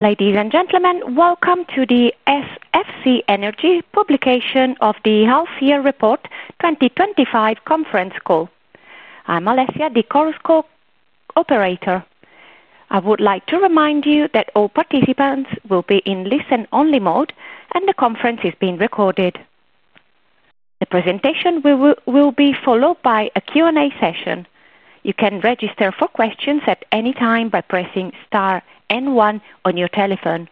Ladies and gentlemen, welcome to the SFC Energy Publication of the Healthier Report 2025 Conference Call. I'm Alessia, the call operator. I would like to remind you that all participants will be in listen-only mode, and the conference is being recorded. The presentation will be followed by a Q&A session. You can register for questions at any time by pressing star and one on your telephone.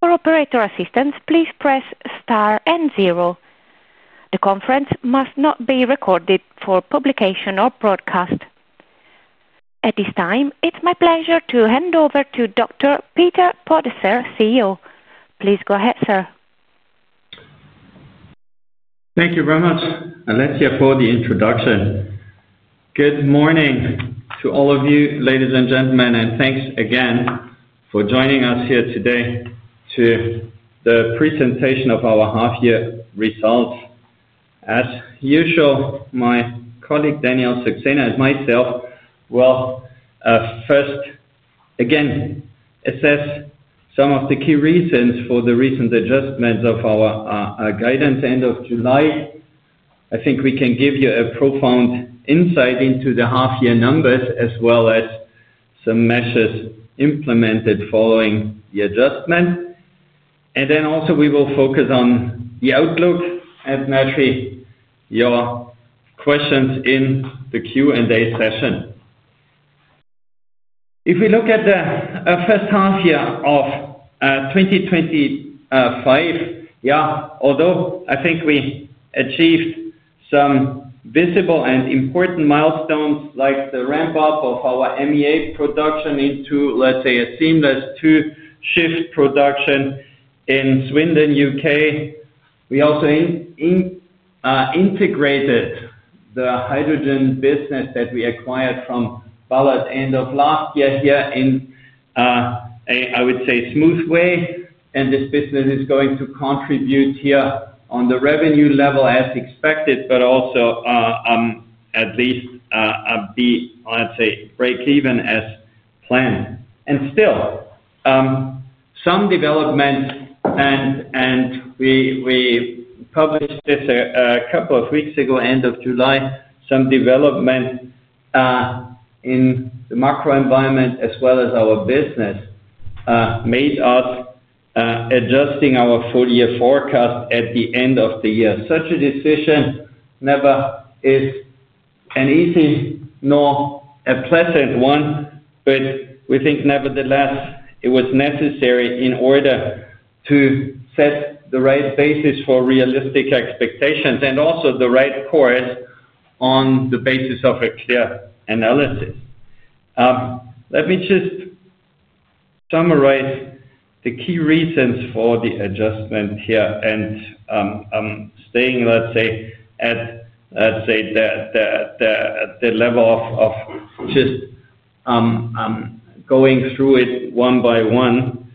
For operator assistance, please press star and zero. The conference must not be recorded for publication or broadcast. At this time, it's my pleasure to hand over to Dr. Peter Podesser, CEO. Please go ahead, sir. Thank you very much, Alessia, for the introduction. Good morning to all of you, ladies and gentlemen, and thanks again for joining us here today to the presentation of our half-year results. As usual, my colleague Daniel Saxena and myself will first again assess some of the key reasons for the recent adjustments of our guidance end of July. I think we can give you a profound insight into the half-year numbers as well as some measures implemented following the adjustments. We will also focus on the outlook and match your questions in the Q&A session. If we look at the first half-year of 2025, although I think we achieved some visible and important milestones like the ramp-up of our MEA production into, let's say, a seamless two-shift production in Swindon, U.K., we also integrated the hydrogen business that we acquired from Ballard end of last year here in, I would say, a smooth way. This business is going to contribute here on the revenue level as expected, but also, at least, I'd say, break even as planned. Still, some developments, and we published this a couple of weeks ago, end of July, some developments in the macro environment as well as our business made us adjusting our full-year forecast at the end of the year. Such a decision never is an easy nor a pleasant one, but we think nevertheless it was necessary in order to set the right basis for realistic expectations and also the right course on the basis of a clear analysis. Let me just summarize the key reasons for the adjustment here and staying, let's say, at the level of just going through it one by one,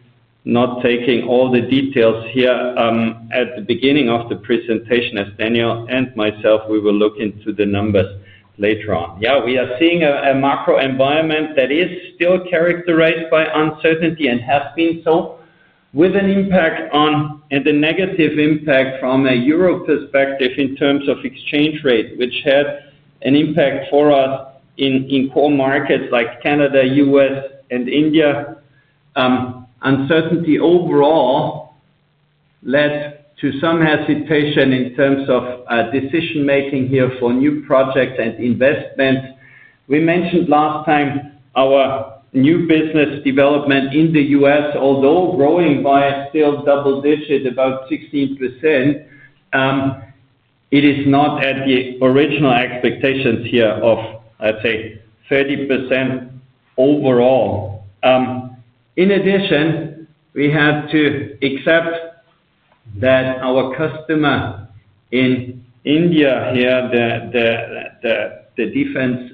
not taking all the details here at the beginning of the presentation as Daniel and myself, we will look into the numbers later on. We are seeing a macro environment that is still characterized by uncertainty and has been so, with an impact on the negative impact from a Europe perspective in terms of exchange rate, which had an impact for us in core markets like Canada, U.S., and India. Uncertainty overall led to some hesitation in terms of decision-making here for new projects and investments. We mentioned last time our new business development in the U.S., although growing by still double digits, about 16%, it is not at the original expectations here of, I'd say, 30% overall. In addition, we had to accept that our customer in India, the defense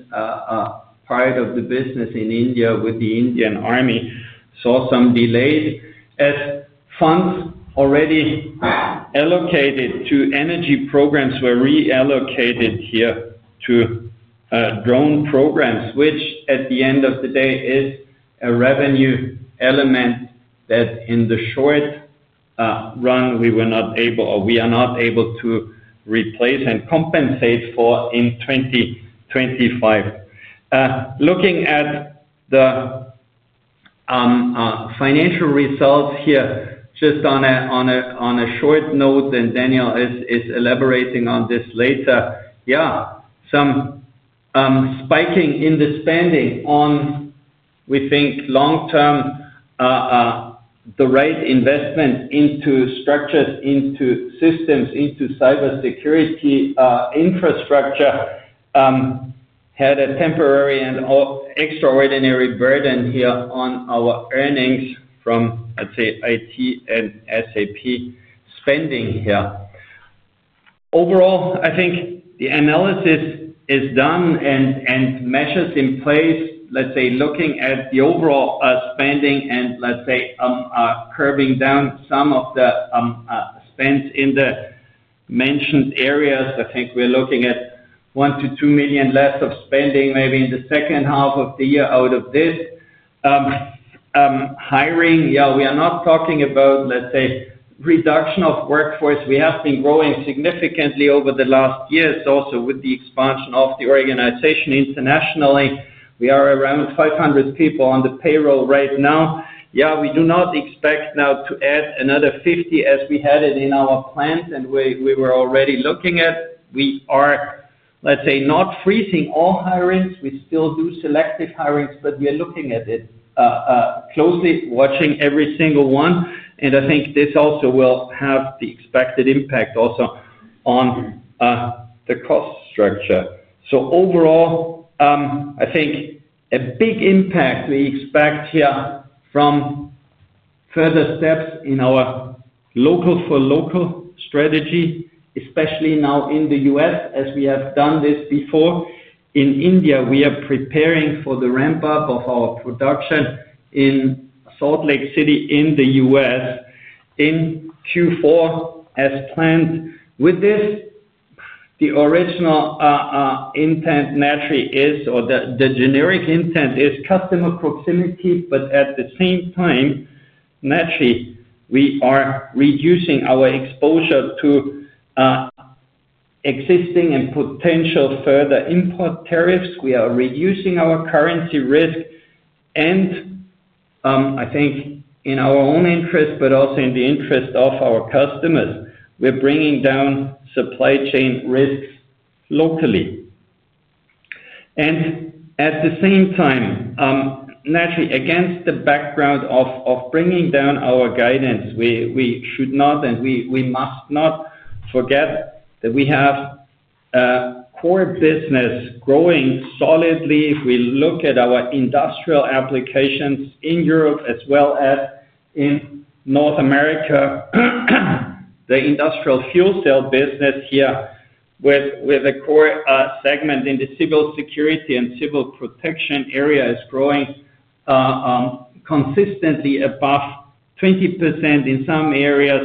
part of the business in India with the Indian Army, saw some delays as funds already allocated to energy programs were reallocated to drone programs, which at the end of the day is a revenue element that in the short run we were not able or we are not able to replace and compensate for in 2025. Looking at the financial results, just on a short note, and Daniel is elaborating on this later, some spiking in the spending on, we think, long-term the right investment into structures, into systems, into cybersecurity infrastructure had a temporary and extraordinary burden on our earnings from IT and SAP spending. Overall, I think the analysis is done and measures in place, looking at the overall spending and curbing down some of the spends in the mentioned areas. I think we're looking at 1 million-2 million less of spending maybe in the second half of the year out of this. Hiring, we are not talking about reduction of workforce. We have been growing significantly over the last years, also with the expansion of the organization internationally. We are around 500 people on the payroll right now. We do not expect now to add another 50 as we had it in our plans and we were already looking at. We are not freezing all hirings. We still do selective hirings, but we are looking at it closely, watching every single one. I think this also will have the expected impact also on the cost structure. Overall, I think a big impact we expect here from further steps in our local-for-local strategy, especially now in the U.S., as we have done this before. In India, we are preparing for the ramp-up of our production in Salt Lake City, U.S., in Q4 as planned. With this, the original intent naturally is, or the generic intent is customer proximity, but at the same time, naturally, we are reducing our exposure to existing and potential further import tariffs. We are reducing our currency risk, and I think in our own interest, but also in the interest of our customers, we're bringing down supply chain risks locally. At the same time, naturally, against the background of bringing down our guidance, we should not, and we must not forget that we have core business growing solidly. If we look at our industrial applications in Europe as well as in North America, the industrial fuel cell business here with a core segment in the civil security and civil protection area is growing consistently above 20%. In some areas,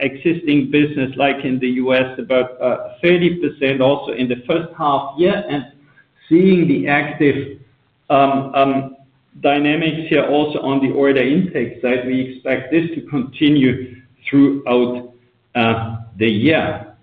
existing business, like in the U.S., about 30% also in the first half year. Seeing the active dynamics here also on the order intake side, we expect this to continue throughout the year.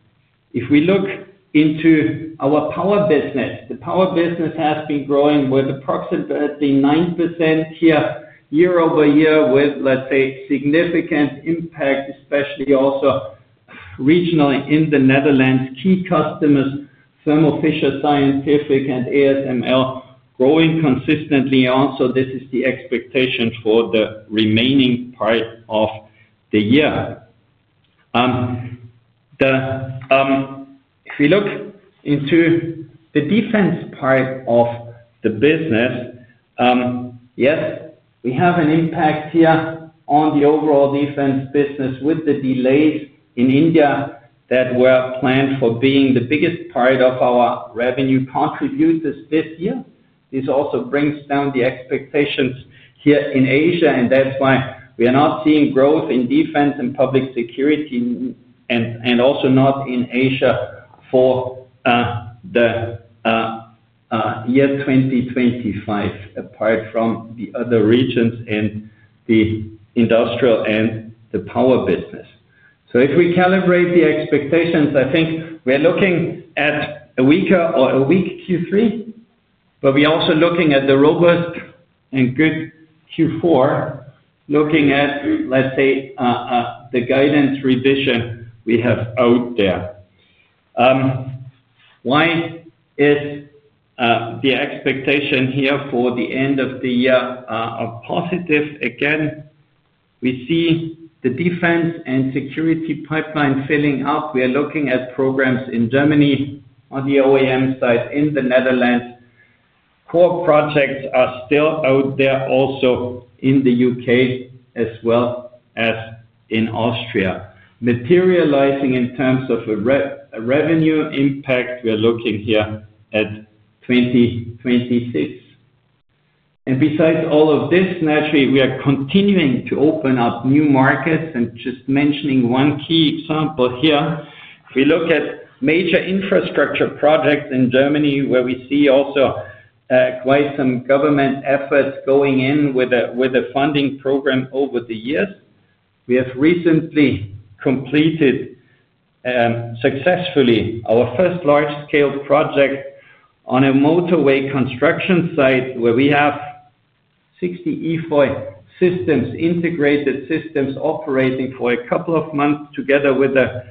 If we look into our power business, the power business has been growing with approximately 9% here year-over-year with, let's say, significant impact, especially also regionally in the Netherlands, key customers, Thermo Fisher Scientific, and ASML growing consistently. Also, this is the expectation for the remaining part of the year. If we look into the defense part of the business, yes, we have an impact here on the overall defense business with the delays in India that were planned for being the biggest part of our revenue contributors this year. This also brings down the expectations here in Asia, and that's why we are not seeing growth in defense and public security and also not in Asia for the year 2025, apart from the other regions and the industrial and the power business. If we calibrate the expectations, I think we're looking at a weaker or a weak Q3, but we're also looking at the robust and good Q4, looking at, let's say, the guidance revision we have out there. Why is the expectation here for the end of the year positive? Again, we see the defense and security pipeline filling up. We are looking at programs in Germany, on the OEM side in the Netherlands. Core projects are still out there also in the U.K. as well as in Austria. Materializing in terms of a revenue impact, we are looking here at 2026. Besides all of this, naturally, we are continuing to open up new markets. Just mentioning one key example here, if we look at major infrastructure projects in Germany, where we see also quite some government efforts going in with a funding program over the years, we have recently completed successfully our first large-scale project on a motorway construction site where we have 60 EFOY systems, integrated systems operating for a couple of months together with a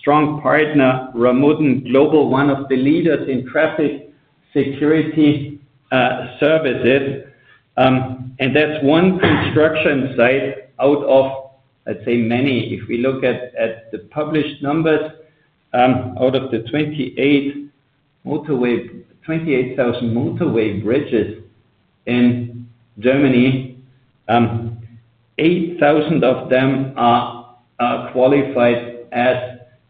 strong partner, Ramuten Global, one of the leaders in traffic security services. That's one construction site out of, let's say, many. If we look at the published numbers, out of the 28,000 motorway bridges in Germany, 8,000 of them are qualified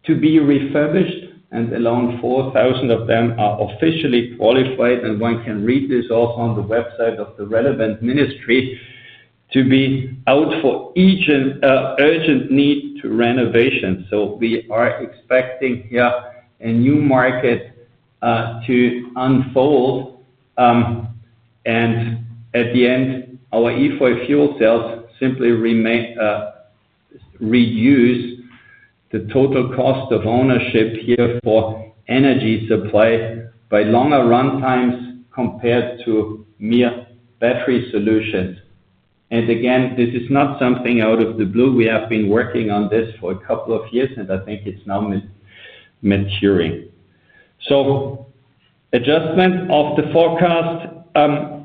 to be refurbished, and along 4,000 of them are officially qualified. One can read this also on the website of the relevant ministry to be out for urgent need to renovation. We are expecting here a new market to unfold. At the end, our EFOY Pro fuel cells simply reduce the total cost of ownership here for energy supply by longer runtimes compared to mere battery solutions. This is not something out of the blue. We have been working on this for a couple of years, and I think it's now maturing. Adjustment of the forecast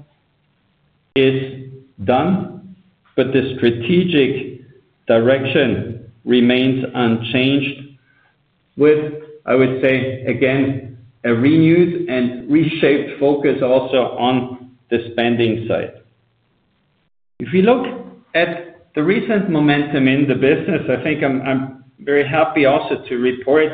is done, but the strategic direction remains unchanged with, I would say, again, a renewed and reshaped focus also on the spending side. If we look at the recent momentum in the business, I think I'm very happy also to report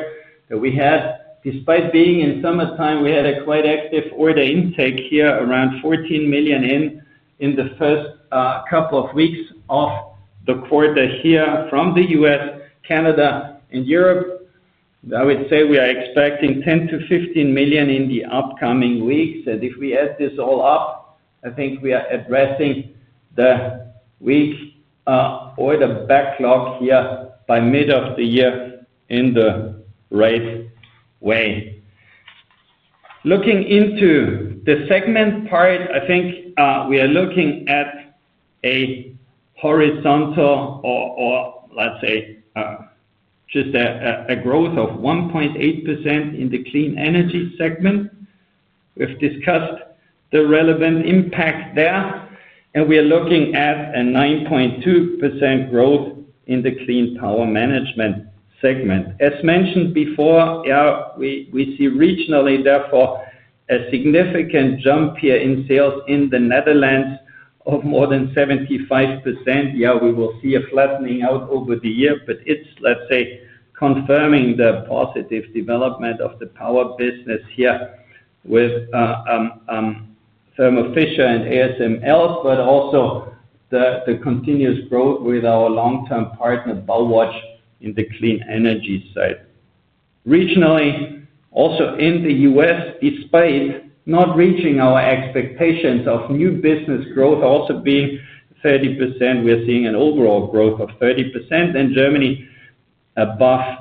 that we had, despite being in summertime, a quite active order intake here around 14 million in the first couple of weeks of the quarter here from the U.S., Canada, and Europe. I would say we are expecting 10 million-15 million in the upcoming weeks. If we add this all up, I think we are addressing the weak order backlog here by mid of the year in the right way. Looking into the segment part, I think we are looking at a horizontal or, let's say, just a growth of 1.8% in the clean energy segment. We've discussed the relevant impact there, and we are looking at a 9.2% growth in the clean power management segment. As mentioned before, we see regionally, therefore, a significant jump here in sales in the Netherlands of more than 75%. We will see a flattening out over the year, but it's confirming the positive development of the power business here with Thermo Fisher and ASML, but also the continuous growth with our long-term partner Ballard in the clean energy side. Regionally, also in the U.S., despite not reaching our expectations of new business growth also being 30%, we are seeing an overall growth of 30% in Germany, above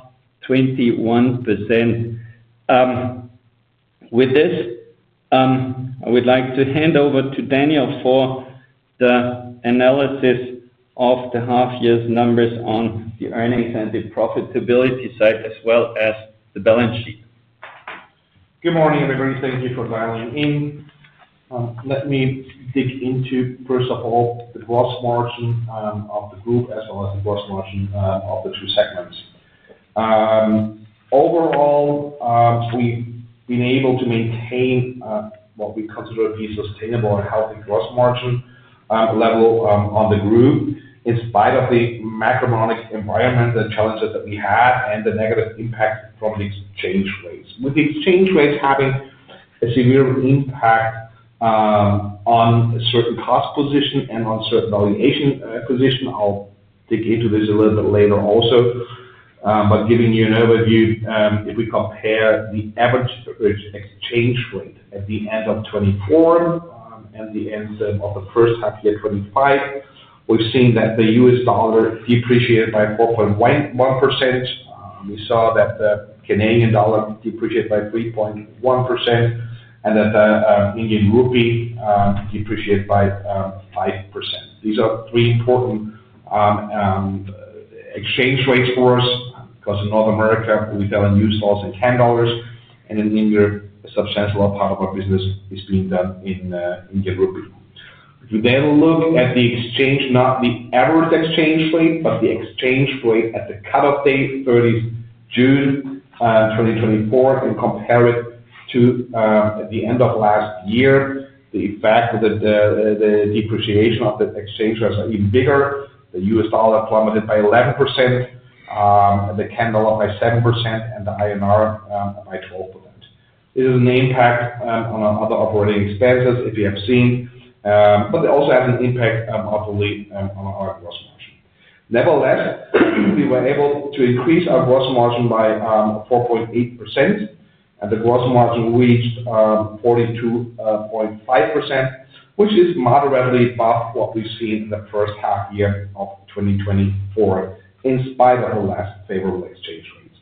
21%. With this, I would like to hand over to Daniel for the analysis of the half-year's numbers on the earnings and the profitability side, as well as the balance sheet. Good morning, everybody. Thank you for dialing in. Let me dig into, first of all, the gross margin of the group, as well as the gross margin of the two segments. Overall, we've been able to maintain what we consider to be sustainable at a healthy gross margin level on the group, in spite of the macroeconomic environment, the challenges that we had, and the negative impact from the exchange rates. With the exchange rates having a severe impact on a certain cost position and on a certain valuation position, I'll dig into this a little bit later also. Giving you an overview, if we compare the average exchange rate at the end of 2024 and the end of the first half of 2025, we've seen that the US dollar depreciated by 4.1%. We saw that the Canadian dollar depreciated by 3.1% and that the Indian rupee depreciated by 5%. These are three important exchange rates for us because in North America, we sell in US dollars at $10, and in Europe, a substantial part of our business is being done in Indian rupee. If you then look at the exchange, not the average exchange rate, but the exchange rate at the cut-off day, 30th June 2024, and compare it to the end of last year, the fact that the depreciation of the exchange rates are even bigger. The US dollar plummeted by 11%, the Canadian dollar by 7%, and the INR by 12%. It is an impact on other operating expenses if you have seen, but it also has an impact on our gross margin. Nevertheless, we were able to increase our gross margin by 4.8%, and the gross margin reached 42.5%, which is moderately above what we've seen in the first half year of 2024, in spite of the less favorable exchange rates.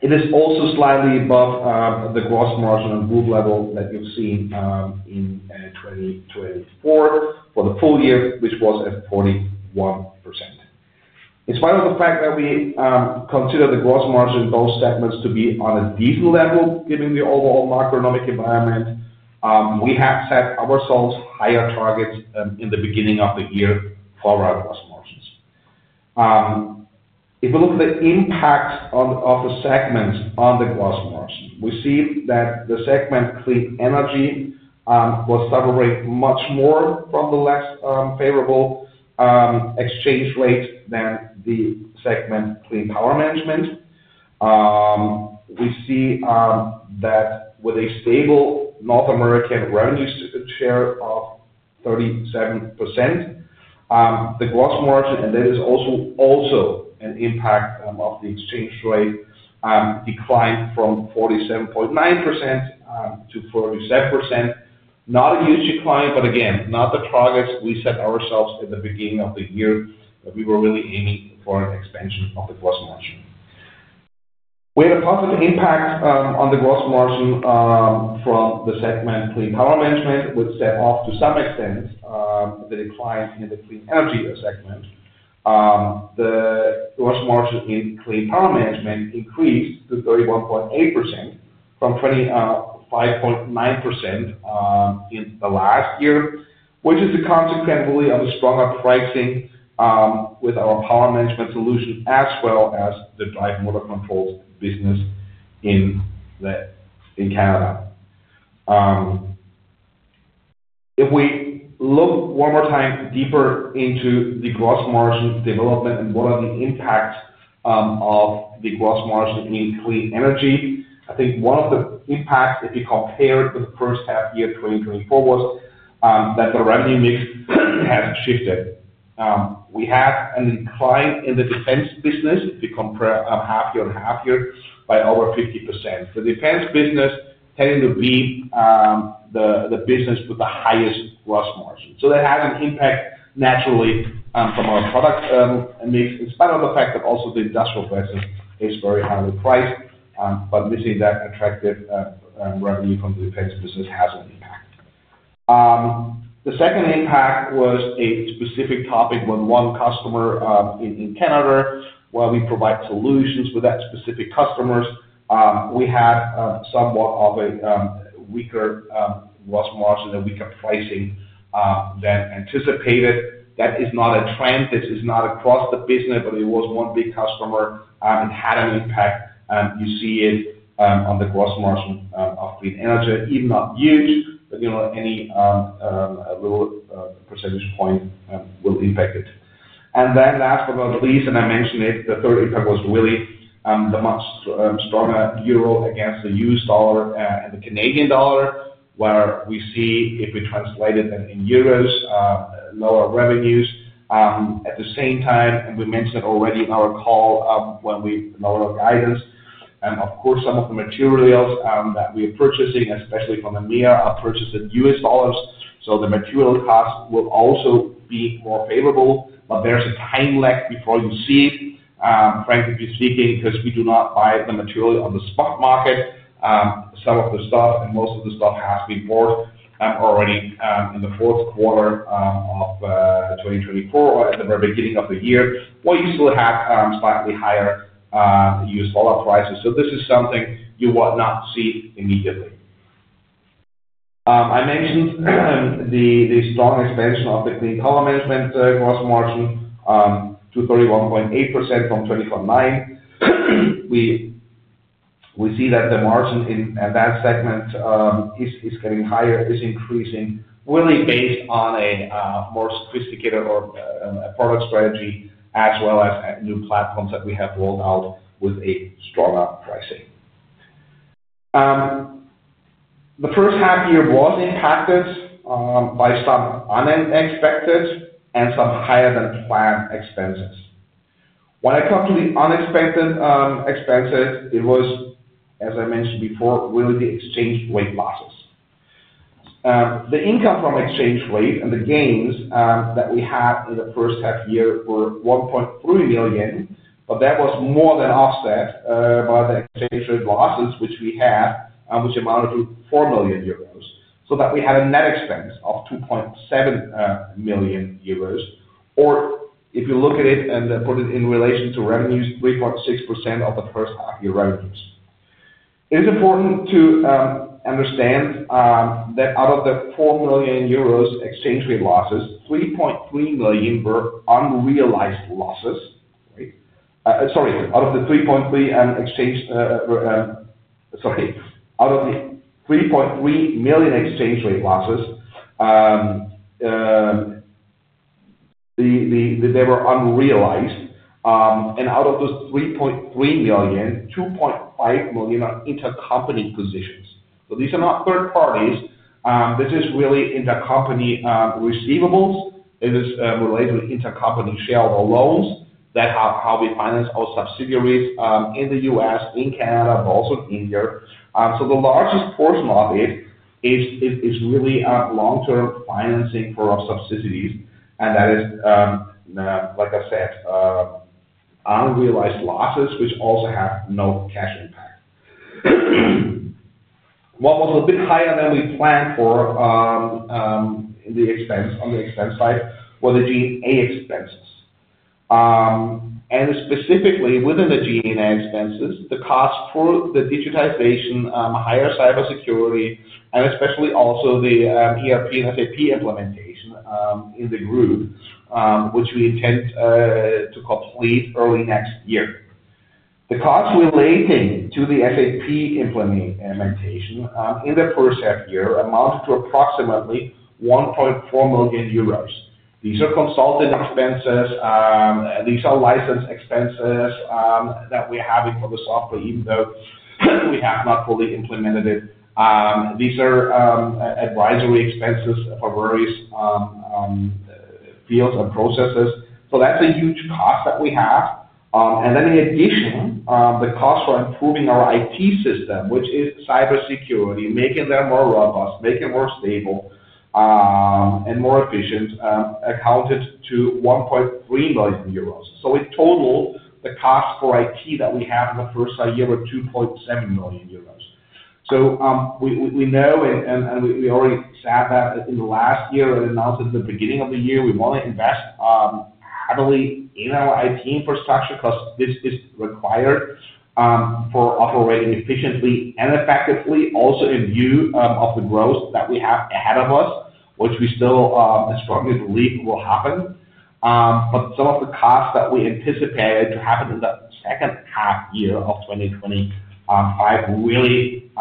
It is also slightly above the gross margin and group level that you've seen in 2024 for the full year, which was at 41%. In spite of the fact that we consider the gross margin in both segments to be on a decent level, given the overall macroeconomic environment, we have set ourselves higher targets in the beginning of the year for our gross margins. If we look at the impacts of the segments on the gross margin, we see that the segment clean energy was suffering much more from the less favorable exchange rate than the segment clean power management. We see that with a stable North American revenue share of 37%, the gross margin, and there is also an impact of the exchange rate decline from 47.9% to 47%. Not a huge decline, but again, not the targets we set ourselves at the beginning of the year that we were really aiming for an expansion of the gross margin. We had a positive impact on the gross margin from the segment clean power management, which set off to some extent the decline in the clean energy segment. The gross margin in clean power management increased to 31.8% from 25.9% in the last year, which is a consequence really on the stronger pricing with our power management solution as well as the drive motor controls business in Canada. If we look one more time deeper into the gross margin's development and what are the impacts of the gross margin in clean energy, I think one of the impacts if you compare the first half year 2024 was that the revenue mix has shifted. We have an incline in the defense business if you compare half year and half year by over 50%. The defense business tended to be the business with the highest gross margin. That has an impact naturally from our products and mix in spite of the fact that also the industrial business is very highly priced. Missing that attracted revenue from the defense business has an impact. The second impact was a specific topic with one customer in Canada where we provide solutions with that specific customer. We had somewhat of a weaker gross margin and weaker pricing than anticipated. That is not a trend. This is not across the business, but it was one big customer and it had an impact. You see it on the gross margin of clean energy, even not huge, but you know any little percentage point will impact it. Last but not the least, and I mentioned it, the third impact was really the much stronger euro against the US dollar and the Canadian dollar where we see if we translate it in euros, lower revenues. At the same time, and we mentioned it already on our call when we lowered our guidance, some of the materials that we are purchasing, especially from EMEA, are purchased in US dollars. The material cost will also be more favorable, but there's a time lag before you see, frankly speaking, because we do not buy the material on the spot market. Some of the stuff and most of the stuff has been bought already in the fourth quarter of 2024 or in the very beginning of the year, while you still have slightly higher US dollar prices. This is something you will not see immediately. I mentioned the strong expansion of the clean power management gross margin to 31.8% from 20.9%. We see that the margin in that segment is getting higher, is increasing, really based on a more sophisticated product strategy as well as new platforms that we have rolled out with a stronger pricing. The first half year was impacted by some unexpected and some higher than planned expenses. When I talk to the unexpected expenses, it was, as I mentioned before, really the exchange rate losses. The income from exchange rate and the gains that we had in the first half year were 1.3 million, but that was more than offset by the exchange rate losses, which we had, which amounted to 4 million euros. We had a net expense of 2.7 million euros, or if you look at it and put it in relation to revenues, 3.6% of the first half year revenues. It is important to understand that out of the 4 million euros exchange rate losses, 3.3 million were unrealized losses. Sorry, out of the 3.3 million exchange rate losses, they were unrealized. Out of those 3.3 million, 2.5 million are intercompany positions. These are not third parties. This is really intercompany receivables. It is related to intercompany shareholder loans that how we finance our subsidiaries in the U.S., in Canada, but also in India. The largest portion of it is really long-term financing for our subsidiaries. That is, like I said, unrealized losses, which also have no cash impact. What was a bit higher than we planned for the expense on the expense side were the G&A expenses. Specifically within the G&A expenses, the cost for the digitization, higher cybersecurity, and especially also the ERP and SAP implementation in the group, which we intend to complete early next year. The costs relating to the SAP implementation in the first half year amounted to approximately 1.4 million euros. These are consultant expenses. These are licensed expenses that we're having for the software, even though we have not fully implemented it. These are advisory expenses for various fields or processes. That's a huge cost that we have. In addition, the cost for improving our IT system, which is cybersecurity, making that more robust, making it more stable, and more efficient, accounted to 1.3 million euros. In total, the cost for IT that we have in the first half year was 2.7 million euros. We know, and we already said that in the last year and announced at the beginning of the year, we want to invest heavily in our IT infrastructure because this is required for operating efficiently and effectively, also in view of the growth that we have ahead of us, which we still strongly believe will happen. Some of the costs that we anticipated to happen in the second half year of 2025 really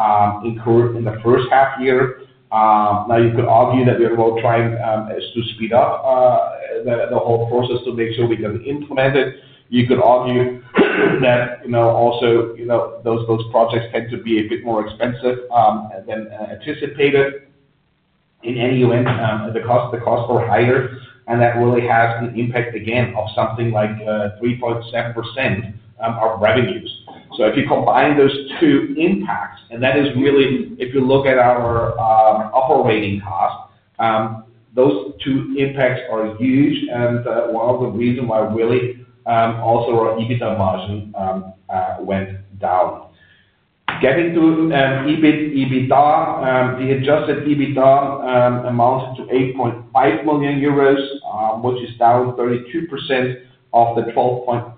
incurred in the first half year. You could argue that we're going to try and speed up the whole process to make sure we can implement it. You could argue that those projects tend to be a bit more expensive than anticipated. In any event, the costs are higher, and that really has an impact, again, of something like 3.7% of revenues. If you combine those two impacts, and that is really, if you look at our operating costs, those two impacts are huge. One of the reasons why really also our EBITDA margin went down. Getting to EBIT, EBITDA, the adjusted EBITDA amounts to 8.5 million euros, which is down 32% off the 12.5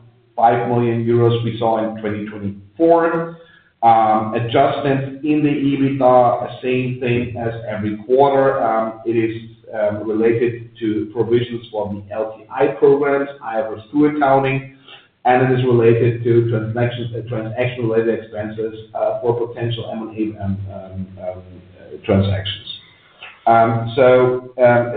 million euros we saw in 2024. Adjustments in the EBITDA are the same thing as every quarter. It is related to provisions for the LTI programs, IFRS II accounting, and it is related to transaction-related expenses for potential M&A transactions.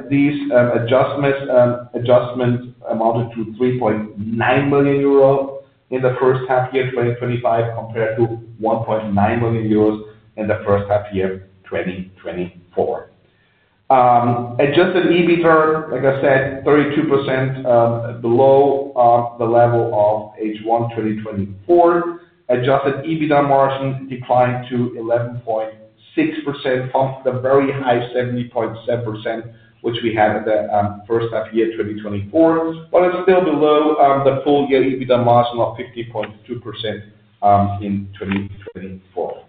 These adjustments amounted to 3.9 million euro in the first half year 2025 compared to 1.9 million euros in the first half year 2024. Adjusted EBITDA, like I said, 32% below on the level of H1 2024. Adjusted EBITDA margin declined to 11.6% on the very high 17.7%, which we had in the first half year 2024, but it's still below the full-year EBITDA margin of 15.2% in 2024.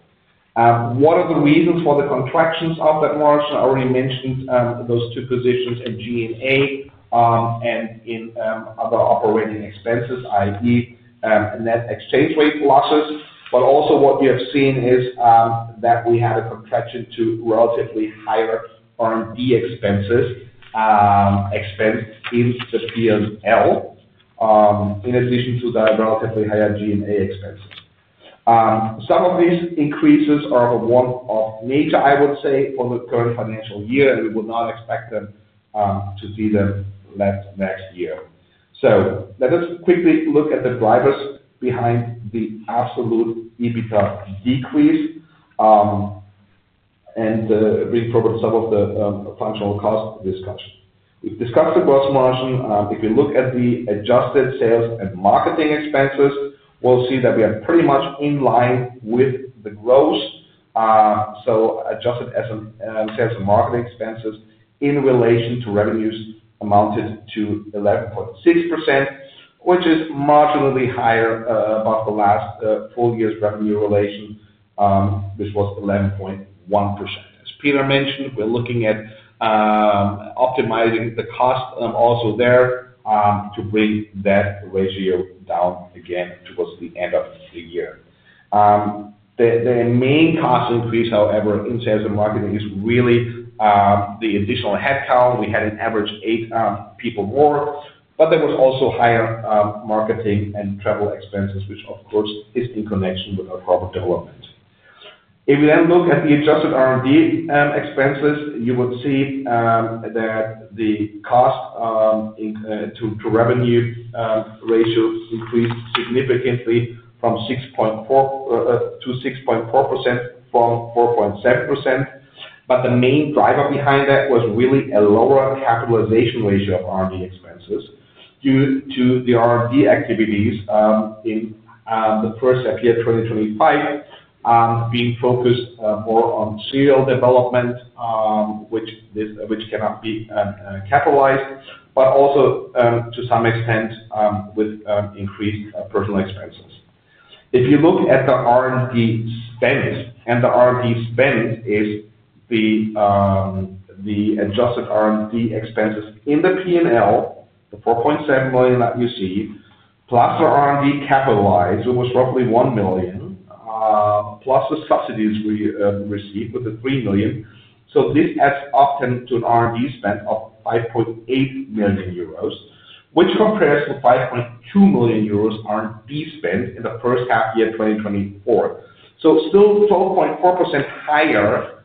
One of the reasons for the contractions of that margin, I already mentioned those two positions in G&A and in other operating expenses, i.e., net exchange rate losses. Also, what you have seen is that we had a contraction due to relatively higher R&D expenses in the field, in addition to the relatively higher G&A expenses. Some of these increases are of a one-off nature, I would say, on the current financial year, and we will not expect them to be there late next year. Let us quickly look at the drivers behind the absolute EBITDA decrease and bring forward some of the functional costs discussed. We've discussed the gross margin. If we look at the adjusted sales and marketing expenses, we'll see that we are pretty much in line with the growth. Adjusted sales and marketing expenses in relation to revenues amounted to 11.6%, which is marginally higher than the last full year's revenue relation, which was 11.1%. As Peter mentioned, we're looking at optimizing the cost also there to bring that ratio down again towards the end of the year. The main cost increase, however, in sales and marketing is really the additional headcount. We had an average of eight people more, but there were also higher marketing and travel expenses, which, of course, is in connection with our corporate development. If you then look at the adjusted R&D expenses, you would see that the cost to revenue ratio increased significantly to 6.4% from 4.7%. The main driver behind that was really a lower capitalization ratio of R&D expenses due to the R&D activities in the first half year 2025 being focused more on serial development, which cannot be capitalized, but also to some extent with increased personnel expenses. If you look at the R&D spends, and the R&D spend is the adjusted R&D expenses in the P&L, the 4.7 million that you see, plus the R&D capitalized, which was roughly 1 million, plus the subsidies we received with the 3 million. This adds up to an R&D spend of 5.8 million euros, which compares with 5.2 million euros R&D spend in the first half year 2024. This is still 12.4% higher.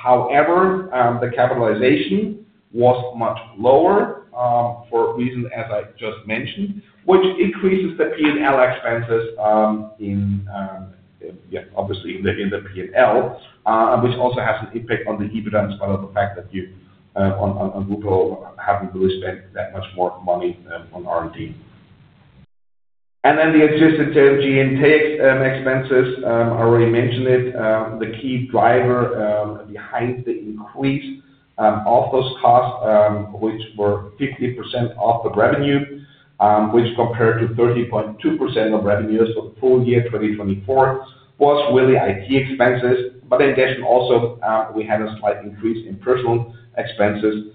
However, the capitalization was much lower for reasons, as I just mentioned, which increases the P&L expenses, which also has an impact on the EBITDA in spite of the fact that you haven't really spent that much more money on R&D. The existing G&A expenses, I already mentioned it, the key driver behind the increase of those costs, which were 15% of the revenue, which compared to 13.2% of revenues for full year 2024, was really IT expenses. In addition, we had a slight increase in personnel expenses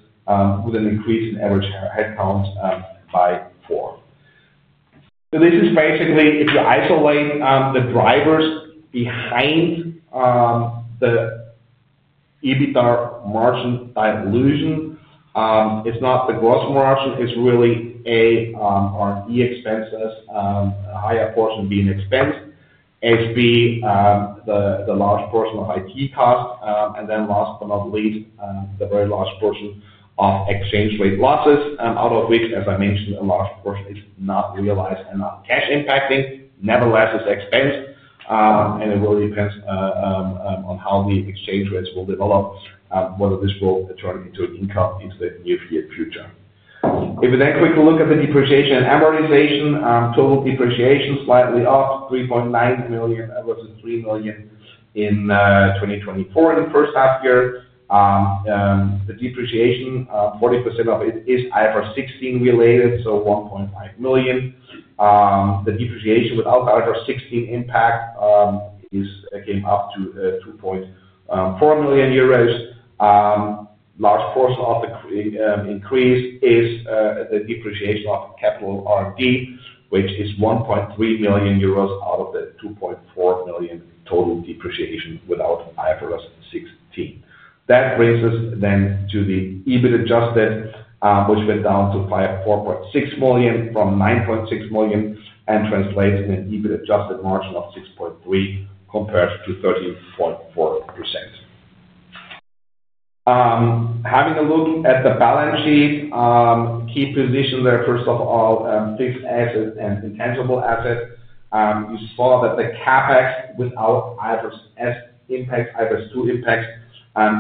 with an increase in average headcount by four. If you isolate the drivers behind the EBITDA margin dilution, it's not the gross margin. It's really R&D expenses, a higher portion being expensed, the large portion of IT costs, and then last but not least, the very large portion of exchange rate losses, out of which, as I mentioned, a large portion is not realized and not cash impacting. Nevertheless, it's expensed, and it really depends on how the exchange rates will develop, whether this will turn into income in the near future. If we then quickly look at the depreciation and amortization, total depreciation slightly up, 3.9 million versus 3 million in 2024 in the first half year. The depreciation, 40% of it is IFRS 16 related, so 1.5 million. The depreciation without IFRS 16 impact is getting up to 2.4 million euros. A large portion of the increase is the depreciation of capitalized R&D, which is 1.3 million euros out of the 2.4 million total depreciation without IFRS 16. That brings us then to the adjusted EBIT, which went down to 4.6 million from 9.6 million and translates in an adjusted EBIT margin of 6.3% compared to 30.4%. Having a look at the balance sheet, key positions there, first of all, fixed assets and intangible assets, you saw that the CapEx without IFRS 16 impacts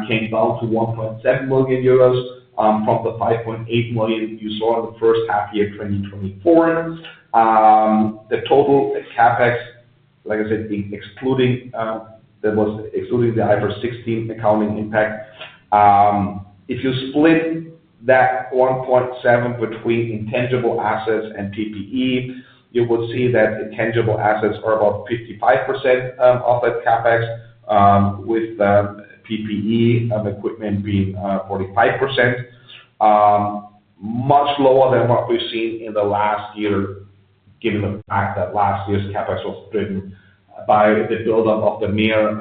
came down to 1.7 million euros from the 5.8 million you saw in the first half year 2024. The total CapEx, like I said, that was excluding the IFRS 16 accounting impact. If you split that 1.7 million between intangible assets and PPE, you would see that intangible assets are about 55% of that CapEx, with the PPE equipment being 45%. Much lower than what we've seen in the last year, given the fact that last year's CapEx was driven by the build-up of the MEA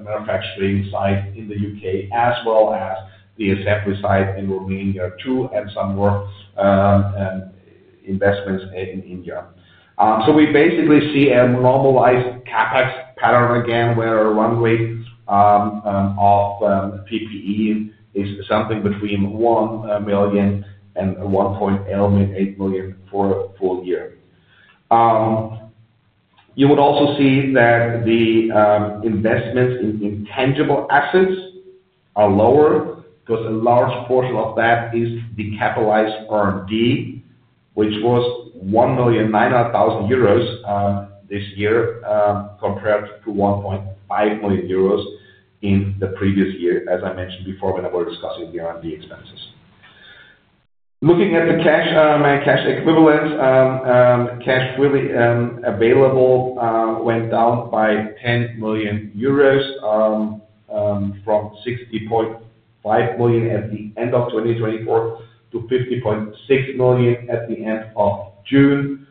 manufacturing site in the U.K., as well as the SFC site in Romania, too, and some more investments in India. We basically see a normalized CapEx pattern again, where one rate of PPE is something between 1 million and 1.8 million for a full year. You would also see that the investments in intangible assets are lower because a large portion of that is the capitalized R&D, which was 1.9 million euros this year compared to 1.5 million euros in the previous year, as I mentioned before, when we were discussing the R&D expenses. Looking at the cash equivalents, cash really available went down by 10 million euros from 60.5 million at the end of 2024 to 50.6 million at the end of June.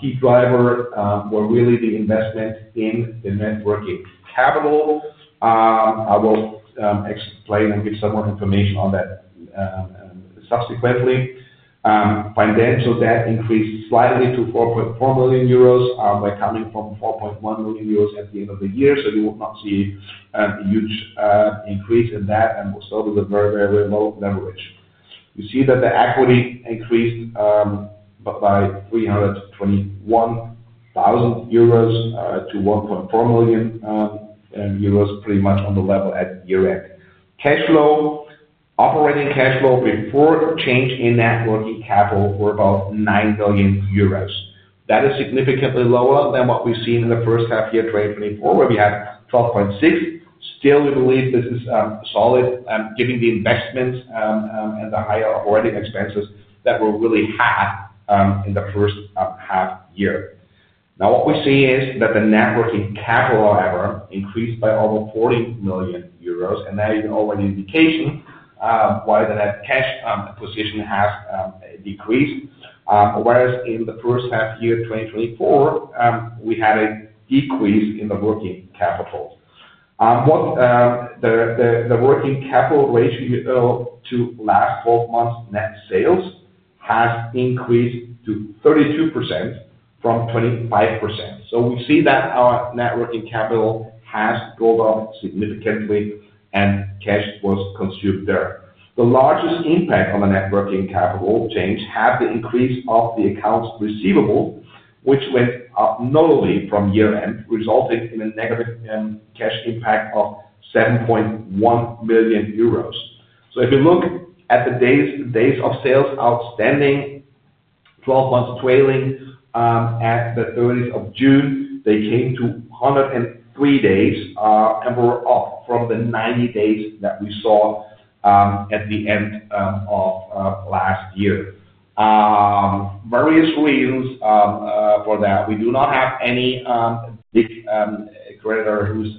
Key driver were really the investment in the net working capital. I will explain and give some more information on that subsequently. Financial debt increased slightly to 4.4 million euros coming from 4.1 million euros at the end of the year. You will not see a huge increase in that and will still be a very, very, very low leverage. You see that the equity increased by 321,000 euros to 1.4 million euros, pretty much on the level at year end. Cash flow, operating cash flow before change in net working capital were about 9 million euros. That is significantly lower than what we've seen in the first half year 2024, where we had 12.6. Still, we believe this is solid, given the investments and the higher operating expenses that we really had in the first half year. Now, what we see is that the net working capital, however, increased by over 14 million euros, and that is already an indication why the net cash position has decreased. Whereas in the first half year 2024, we had a decrease in the working capital. The working capital ratio to last 12 months net sales has increased to 32% from 25%. We see that our net working capital has gone up significantly and cash was consumed there. The largest impact on the net working capital change has the increase of the accounts receivable, which went up notably from year end, resulting in a negative cash impact of 7.1 million euros. If you look at the days of sales outstanding, 12 months trailing, at the 30th of June, they came to 103 days and were up from the 90 days that we saw at the end of last year. There are various reasons for that. We do not have any big creditor who's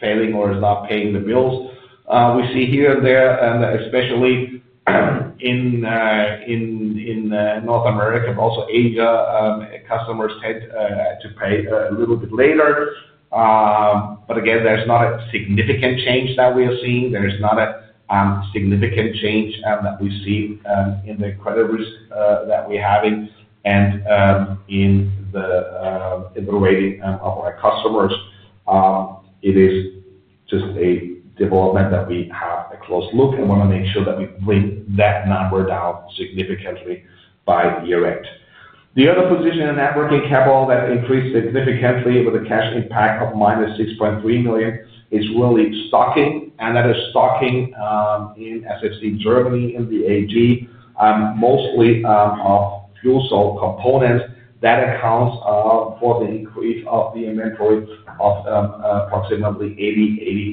failing or is not paying the bills. We see here and there, and especially in North America, but also Asia, customers tend to pay a little bit later. Again, there's not a significant change that we are seeing. There is not a significant change that we see in the credit risk that we have and in the ability of our customers. It is just a development that we have a close look at and want to make sure that we bring that number down significantly by the year end. The other position in net working capital that increased significantly with a cash impact of minus 6.3 million is really stocking, and that is stocking in SFC Germany or the AG, mostly of fuel cell components. That accounts for the increase of the inventory of approximately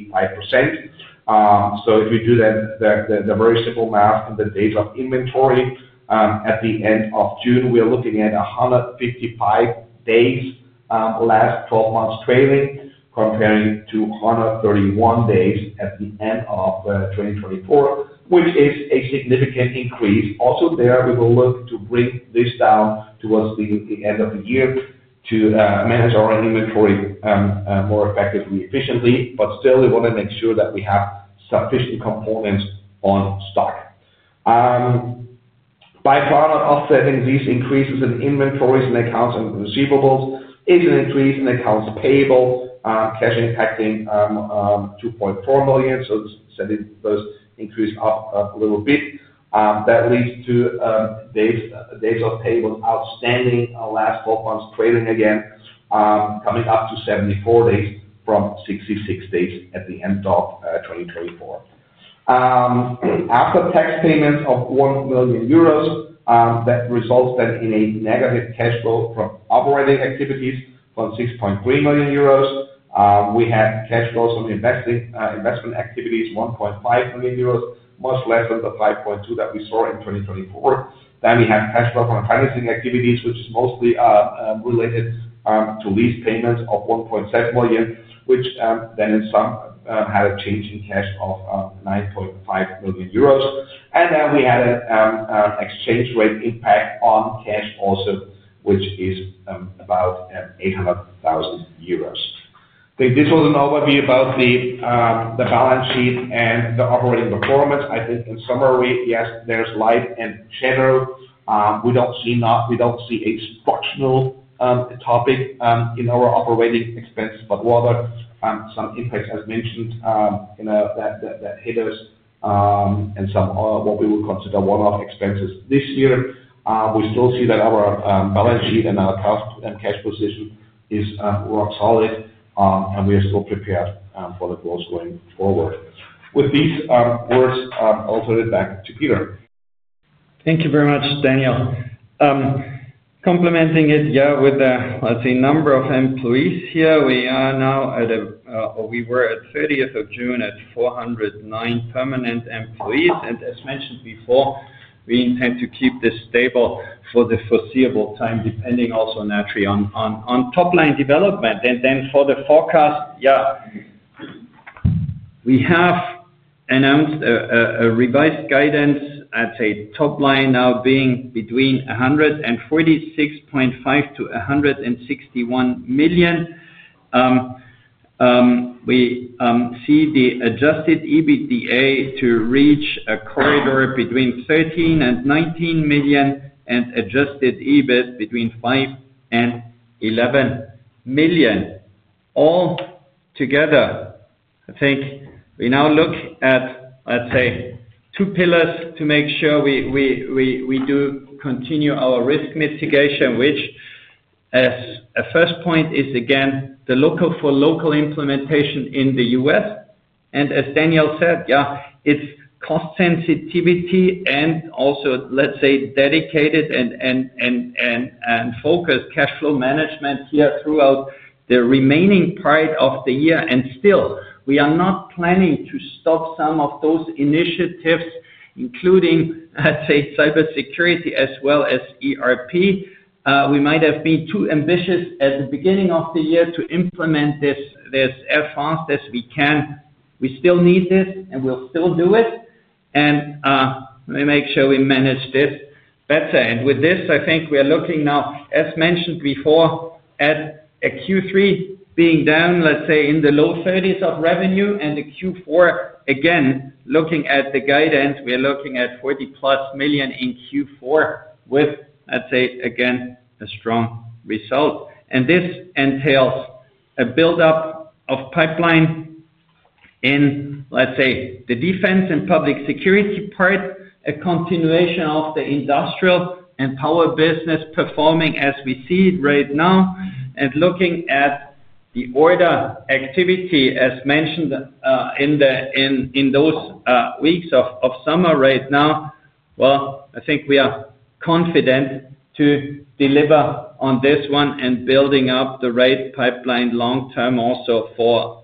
80%, 85%. If we do the very simple math on the days of inventory, at the end of June, we're looking at 155 days last 12 months trailing compared to 131 days at the end of 2024, which is a significant increase. Also, there we will look to bring this down towards the end of the year to manage our inventory more effectively, efficiently. Still, we want to make sure that we have sufficient components on stock. By far not offsetting these increases in inventories and accounts receivables is an increase in accounts payable, cash impacting 2.4 million. Sending those increases up a little bit. That leads to days of payable outstanding last 12 months trailing again, coming up to 74 days from 66 days at the end of 2024. After tax payments of 1 million euros, that results then in a negative cash flow from operating activities from 6.3 million euros. We had cash flows from investment activities 1.5 million euros, much less than the 5.2 million that we saw in 2024. We had cash flow from financing activities, which is mostly related to lease payments of 1.7 million, which in sum had a change in cash of 9.5 million euros. We had an exchange rate impact on cash also, which is about 800,000 euros. I think this was an overview about the balance sheet and the operating performance. I think in summary, yes, there's light in general. We don't see a spot note topic in our operating expense, but rather some impacts, as mentioned, that hit us and some of what we would consider one-off expenses this year. We still see that our balance sheet and our cash position is rock solid, and we are still prepared for the growth going forward. With these words, I'll turn it back to Peter. Thank you very much, Daniel. Complementing it, with the, let's say, number of employees here, we are now at, or we were at 30th of June at 409 permanent employees. As mentioned before, we intend to keep this stable for the foreseeable time, depending also naturally on top-line development. For the forecast, we have announced a revised guidance, I'd say top-line now being between 146.5 million to 161 million. We see the adjusted EBITDA to reach a corridor between 13 million and 19 million and adjusted EBIT between 5 million and 11 million. Altogether, I think we now look at, let's say, two pillars to make sure we do continue our risk mitigation, which as a first point is again the local for local implementation in the U.S. As Daniel said, it's cost sensitivity and also, let's say, dedicated and focused cash flow management here throughout the remaining part of the year. We are not planning to stop some of those initiatives, including, let's say, cybersecurity as well as ERP. We might have been too ambitious at the beginning of the year to implement this as fast as we can. We still need this and we'll still do it. We make sure we manage this better. With this, I think we are looking now, as mentioned before, at a Q3 being down, let's say, in the low 30 million of revenue. The Q4, again, looking at the guidance, we are looking at 40+ million in Q4 with, let's say, again, a strong result. This entails a build-up of pipeline in, let's say, the defense and public security part, a continuation of the industrial and power business performing as we see it right now. Looking at the order activity, as mentioned in those weeks of summer right now, I think we are confident to deliver on this one and building up the rate pipeline long term also for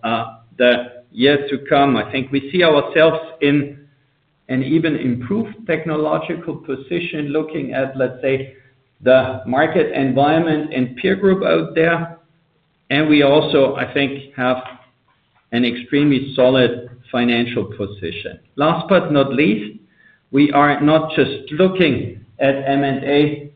the years to come. I think we see ourselves in an even improved technological position looking at, let's say, the market environment and peer group out there. We also, I think, have an extremely solid financial position. Last but not least, we are not just looking at M&A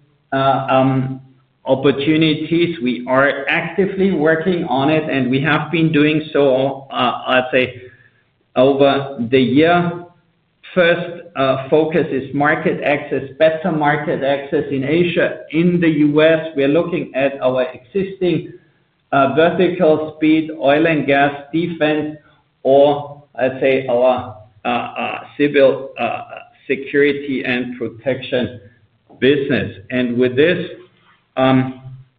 opportunities. We are actively working on it, and we have been doing so, I'd say, over the year. First focus is market access, better market access in Asia. In the U.S. we're looking at our existing verticals, oil and gas, defense, or I'd say our civil security and protection business. With this,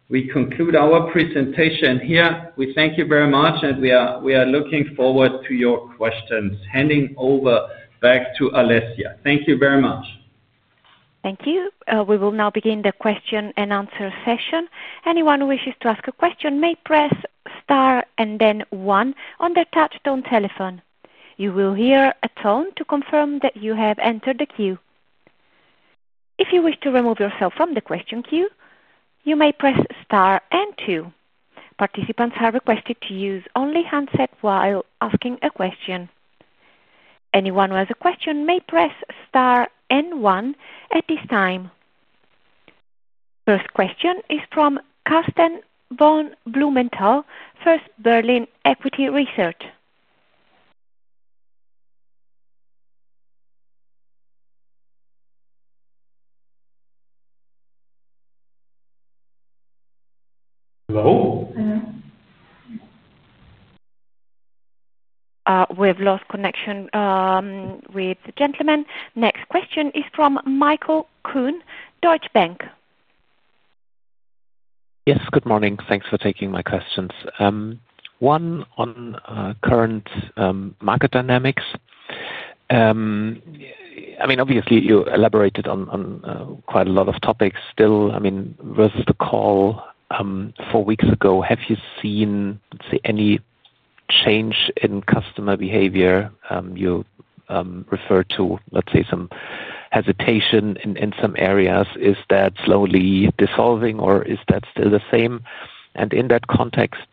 we conclude our presentation. We thank you very much, and we are looking forward to your questions. Handing over back to Alessia. Thank you very much. Thank you. We will now begin the question and answer session. Anyone who wishes to ask a question may press star and then one on the touchstone telephone. You will hear a tone to confirm that you have entered the queue. If you wish to remove yourself from the question queue, you may press star and two. Participants are requested to use only handset while asking a question. Anyone who has a question may press star and one at this time. First question is from Karsten von Blumenthal, First Berlin Equity Research. Hello? Hello? We have lost connection with the gentleman. Next question is from Michael Kuhn, Deutsche Bank. Yes, good morning. Thanks for taking my questions. One on current market dynamics. Obviously, you elaborated on quite a lot of topics still. Versus the call four weeks ago, have you seen any change in customer behavior? You referred to some hesitation in some areas. Is that slowly dissolving or is that still the same? In that context,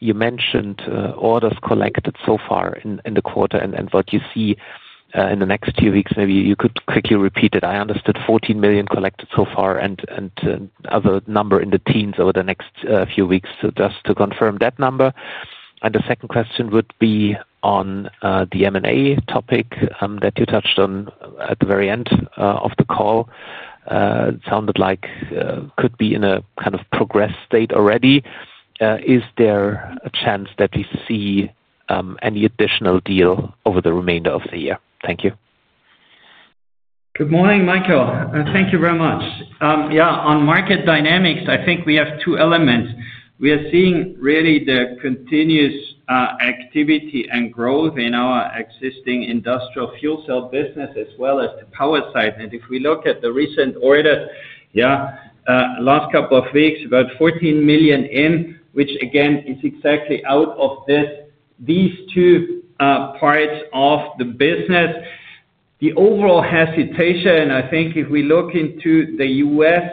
you mentioned orders collected so far in the quarter and what you see in the next few weeks. Maybe you could quickly repeat it. I understood 14 million collected so far and another number in the teens over the next few weeks, just to confirm that number. The second question would be on the M&A topic that you touched on at the very end of the call. It sounded like it could be in a kind of progress state already. Is there a chance that we see any additional deal over the remainder of the year? Thank you. Good morning, Michael. Thank you very much. On market dynamics, I think we have two elements. We are seeing really the continuous activity and growth in our existing industrial fuel cell business as well as the power site. If we look at the recent order, the last couple of weeks, about 14 million in, which again is exactly out of these two parts of the business. The overall hesitation, I think if we look into the U.S.,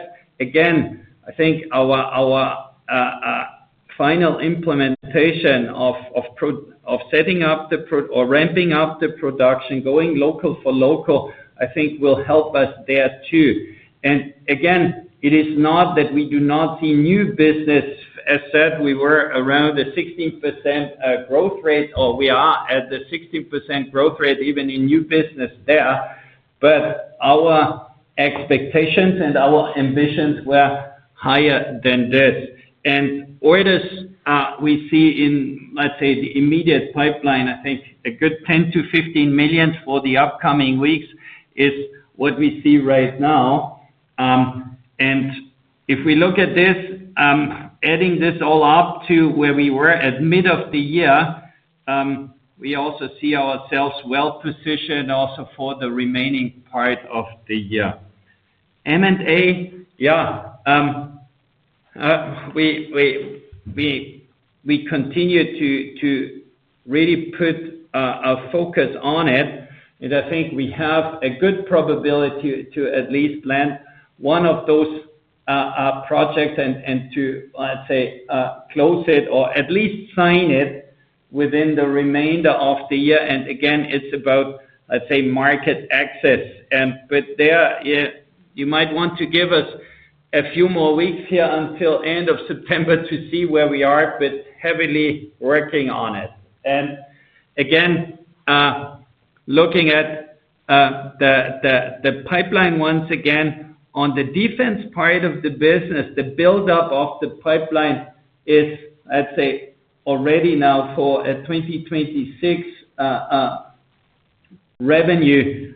our final implementation of setting up or ramping up the production, going local for local, I think will help us there too. It is not that we do not see new business. As I said, we were around the 16% growth rate or we are at the 16% growth rate even in new business there. Our expectations and our ambitions were higher than this. Orders we see in, let's say, the immediate pipeline, a good 10 million-15 million for the upcoming weeks is what we see right now. If we look at this, adding this all up to where we were at the middle of the year, we also see ourselves well positioned for the remaining part of the year. M&A, we continue to really put our focus on it. I think we have a good probability to at least land one of those projects and to, let's say, close it or at least sign it within the remainder of the year. It is about, let's say, market access. You might want to give us a few more weeks here until the end of September to see where we are, but heavily working on it. Looking at the pipeline once again, on the defense part of the business, the build-up of the pipeline is, let's say, already now for a 2026 revenue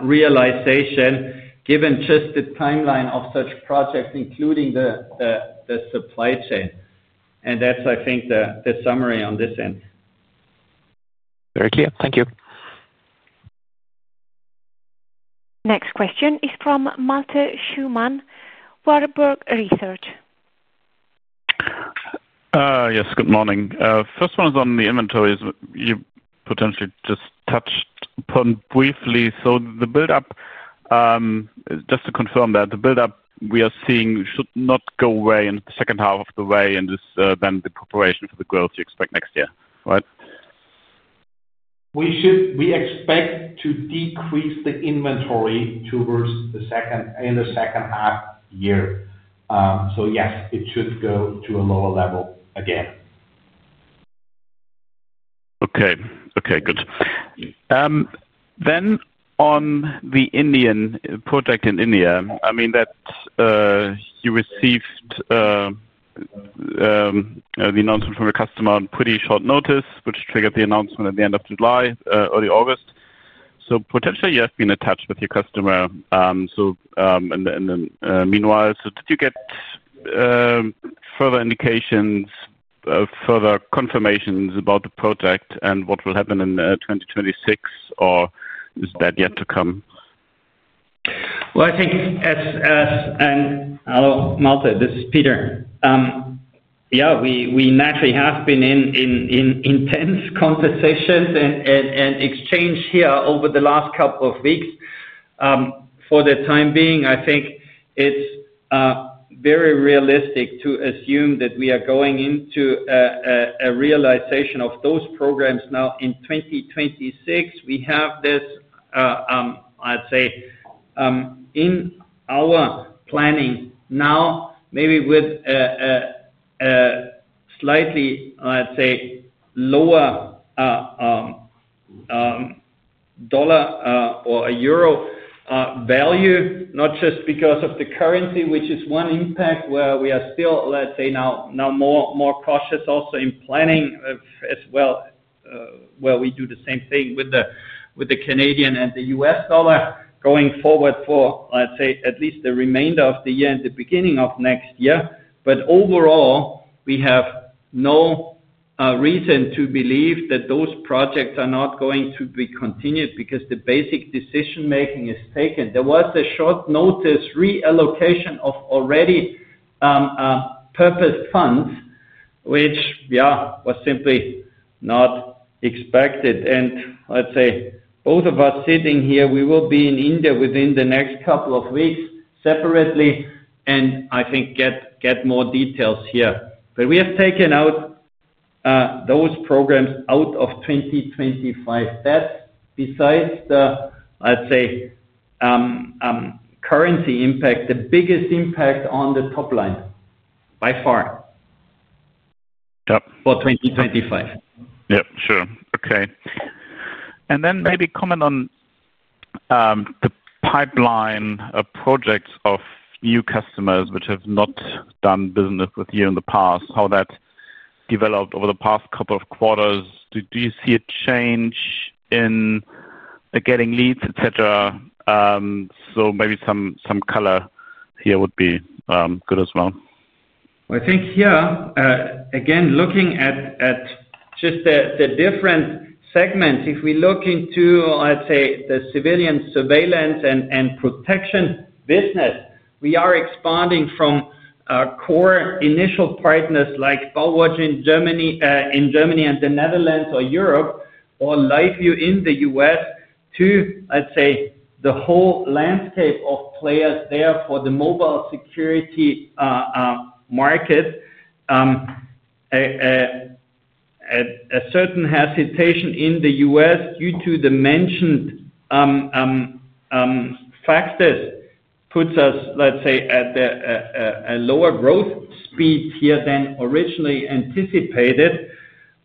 realization, given just the timeline of such projects, including the supply chain. That is, I think, the summary on this end. Very clear. Thank you. Next question is from Malte Schaumann, Warburg Research. Yes, good morning. First one is on the inventories. You potentially just touched upon briefly. The build-up, just to confirm that, the build-up we are seeing should not go away in the second half of the way and just then the preparation for the growth you expect next year, right? We expect to decrease the inventory towards the second half year. Yes, it should go to a lower level again. Okay, good. On the Indian project in India, you received the announcement from your customer on pretty short notice, which triggered the announcement at the end of July, early August. Potentially, you have been attached with your customer. Meanwhile, did you get further indications, further confirmations about the project and what will happen in 2026, or is that yet to come? I think as us and hello, Malte, this is Peter. Yeah, we naturally have been in intense conversations and exchange here over the last couple of weeks. For the time being, I think it's very realistic to assume that we are going into a realization of those programs now in 2026. We have this, I'd say, in our planning now, maybe with a slightly, I'd say, lower dollar or euro value, not just because of the currency, which is one impact where we are still, let's say, now more cautious also in planning as well, where we do the same thing with the Canadian and the US dollar going forward for, let's say, at least the remainder of the year and the beginning of next year. Overall, we have no reason to believe that those projects are not going to be continued because the basic decision-making is taken. There was a short notice reallocation of already purpose funds, which, yeah, was simply not expected. Both of us sitting here, we will be in India within the next couple of weeks separately, and I think get more details here. We have taken out those programs out of 2025. That's besides the, I'd say, currency impact, the biggest impact on the top line by far for 2025. Yeah, sure. Okay. Maybe comment on the pipeline of projects of new customers which have not done business with you in the past, how that developed over the past couple of quarters. Do you see a change in getting leads, etc.? Maybe some color here would be good as well. I think, yeah, again, looking at just the different segments, if we look into, I'd say, the civilian surveillance and protection business, we are expanding from our core initial partners like Ballard in Germany and the Netherlands or Europe, or LiveView in the U.S., to, let's say, the whole landscape of players there for the mobile security markets. A certain hesitation in the U.S. due to the mentioned factors puts us, let's say, at a lower growth speed here than originally anticipated,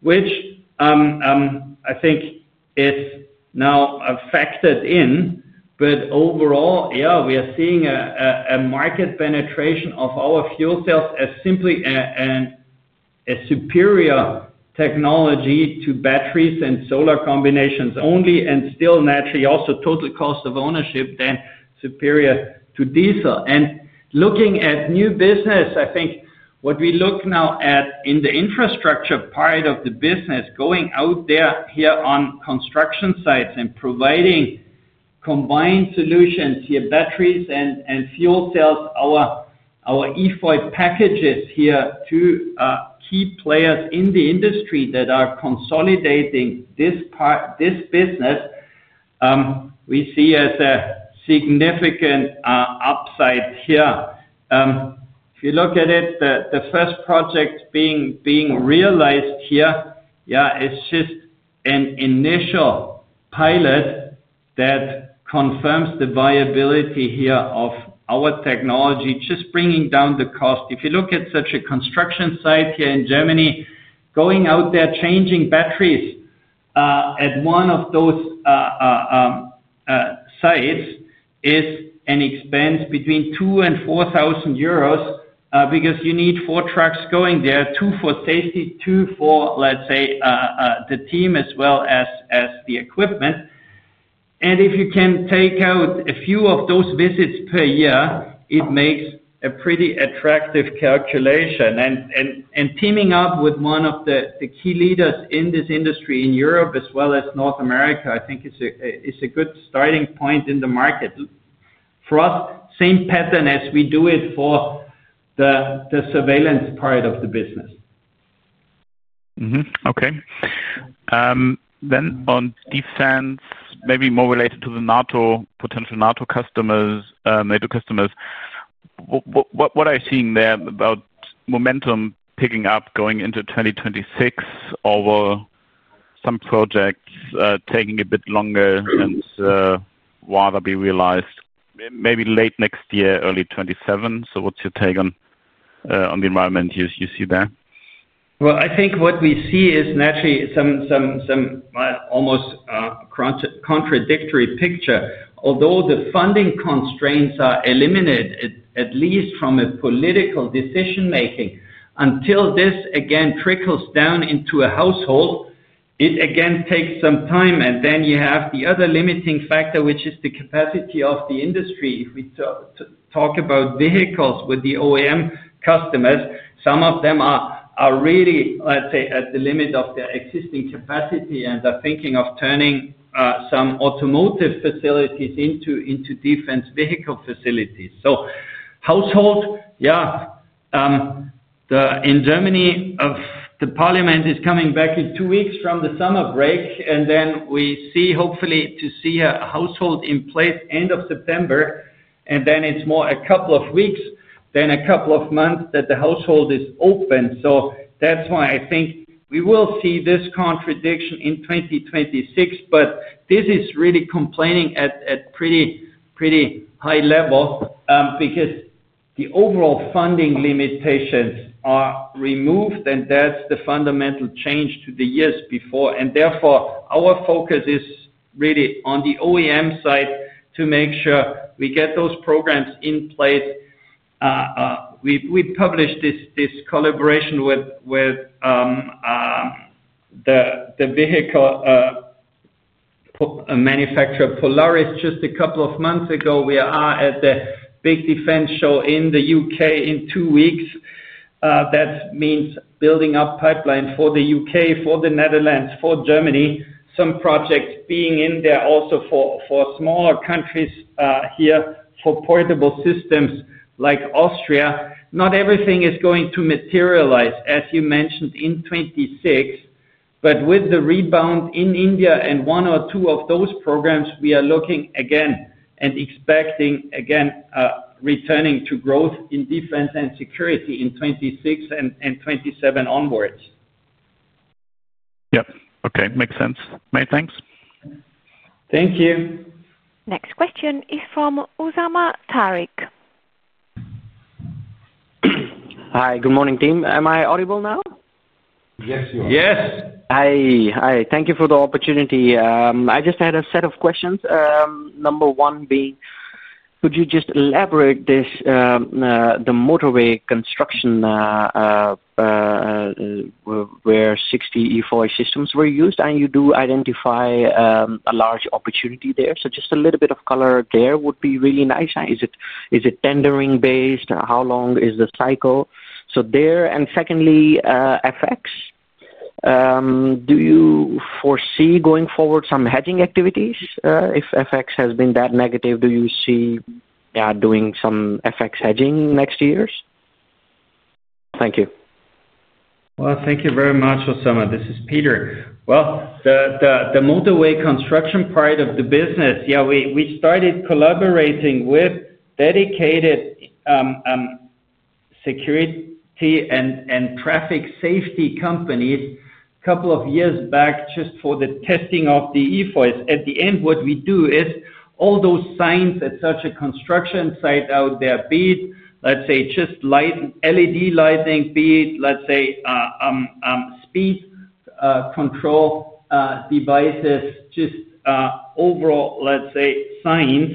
which I think is now factored in. Overall, yeah, we are seeing a market penetration of our fuel cells as simply a superior technology to batteries and solar combinations only, and still naturally also total cost of ownership then superior to diesel. Looking at new business, I think what we look now at in the infrastructure part of the business, going out there here on construction sites and providing combined solutions here, batteries and fuel cells, our EFOY packages here to key players in the industry that are consolidating this business, we see as a significant upside here. If you look at it, the first project being realized here, yeah, it's just an initial pilot that confirms the viability here of our technology, just bringing down the cost. If you look at such a construction site here in Germany, going out there, changing batteries at one of those sites is an expense between 2,000 and 4,000 euros because you need four trucks going there, two for safety, two for, let's say, the team as well as the equipment. If you can take out a few of those visits per year, it makes a pretty attractive calculation. Teaming up with one of the key leaders in this industry in Europe as well as North America, I think is a good starting point in the market. For us, same pattern as we do it for the surveillance part of the business. On defense, maybe more related to the NATO customers, what are you seeing there about momentum picking up going into 2026, or will some projects take a bit longer and either be realized maybe late next year or early 2027? What's your take on the environment you see there? I think what we see is naturally some almost contradictory picture. Although the funding constraints are eliminated, at least from a political decision-making, until this again trickles down into a household, it again takes some time. You have the other limiting factor, which is the capacity of the industry. If we talk about vehicles with the OEM customers, some of them are really, let's say, at the limit of their existing capacity and are thinking of turning some automotive facilities into defense vehicle facilities. Households, yeah, in Germany, the parliament is coming back in two weeks from the summer break. We see hopefully to see a household in place end of September. It's more a couple of weeks than a couple of months that the household is open. That's why I think we will see this contradiction in 2026. This is really complaining at a pretty, pretty high level because the overall funding limitations are removed. That's the fundamental change to the years before. Therefore, our focus is really on the OEM side to make sure we get those programs in place. We published this collaboration with the vehicle manufacturer Polaris just a couple of months ago. We are at the big defense show in the U.K. in two weeks. That means building up pipeline for the U.K., for the Netherlands, for Germany, some projects being in there also for smaller countries here for portable systems like Austria. Not everything is going to materialize, as you mentioned, in 2026. With the rebound in India and one or two of those programs, we are looking again and expecting again returning to growth in defense and security in 2026 and 2027 onwards. Yeah. Okay, makes sense. Many thanks. Thank you. Next question is from Usama Tariq. Hi. Good morning, team. Am I audible now? Yes, you are. Yes. Hi. Hi. Thank you for the opportunity. I just had a set of questions. Number one being, could you just elaborate this, the motorway construction where 60 EFOY systems were used? You do identify a large opportunity there. Just a little bit of color there would be really nice. Is it tendering based? How long is the cycle? Secondly, FX. Do you foresee going forward some hedging activities? If FX has been that negative, do you see, yeah, doing some FX hedging in the next years? Thank you. Thank you very much, Usama. This is Peter. The motorway construction part of the business, we started collaborating with dedicated security and traffic safety companies a couple of years back just for the testing of the EFOY. At the end, what we do is all those signs at such a construction site out there, be it just light and LED lighting, be it speed control devices, just overall signs,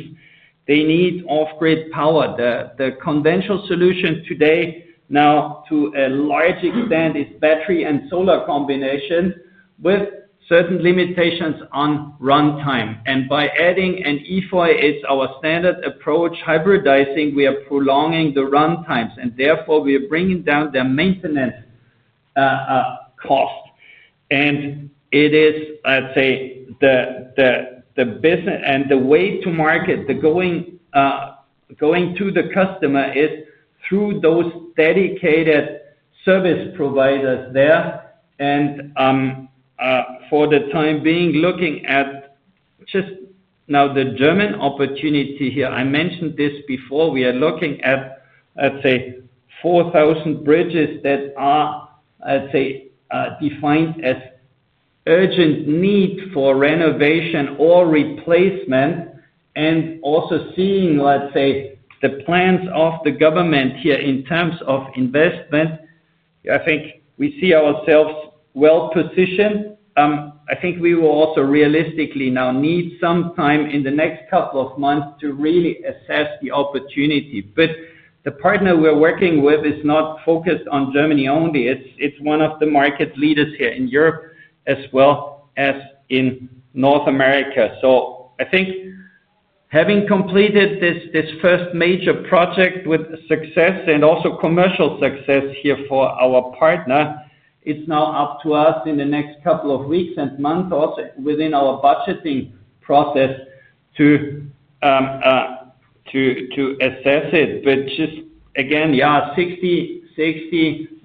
they need off-grid power. The conventional solutions today, now to a large extent, is battery and solar combination with certain limitations on runtime. By adding an EFOY, it's our standard approach, hybridizing, we are prolonging the runtimes. Therefore, we are bringing down the maintenance cost. It is the business and the way to market, the going to the customer is through those dedicated service providers there. For the time being, looking at just now the German opportunity here, I mentioned this before, we are looking at 4,000 bridges that are defined as urgent need for renovation or replacement. Also seeing the plans of the government here in terms of investment, I think we see ourselves well positioned. I think we will also realistically now need some time in the next couple of months to really assess the opportunity. The partner we're working with is not focused on Germany only. It's one of the market leaders here in Europe, as well as in North America. I think having completed this first major project with success and also commercial success here for our partner, it's now up to us in the next couple of weeks and months also within our budgeting process to assess it. Just again, 60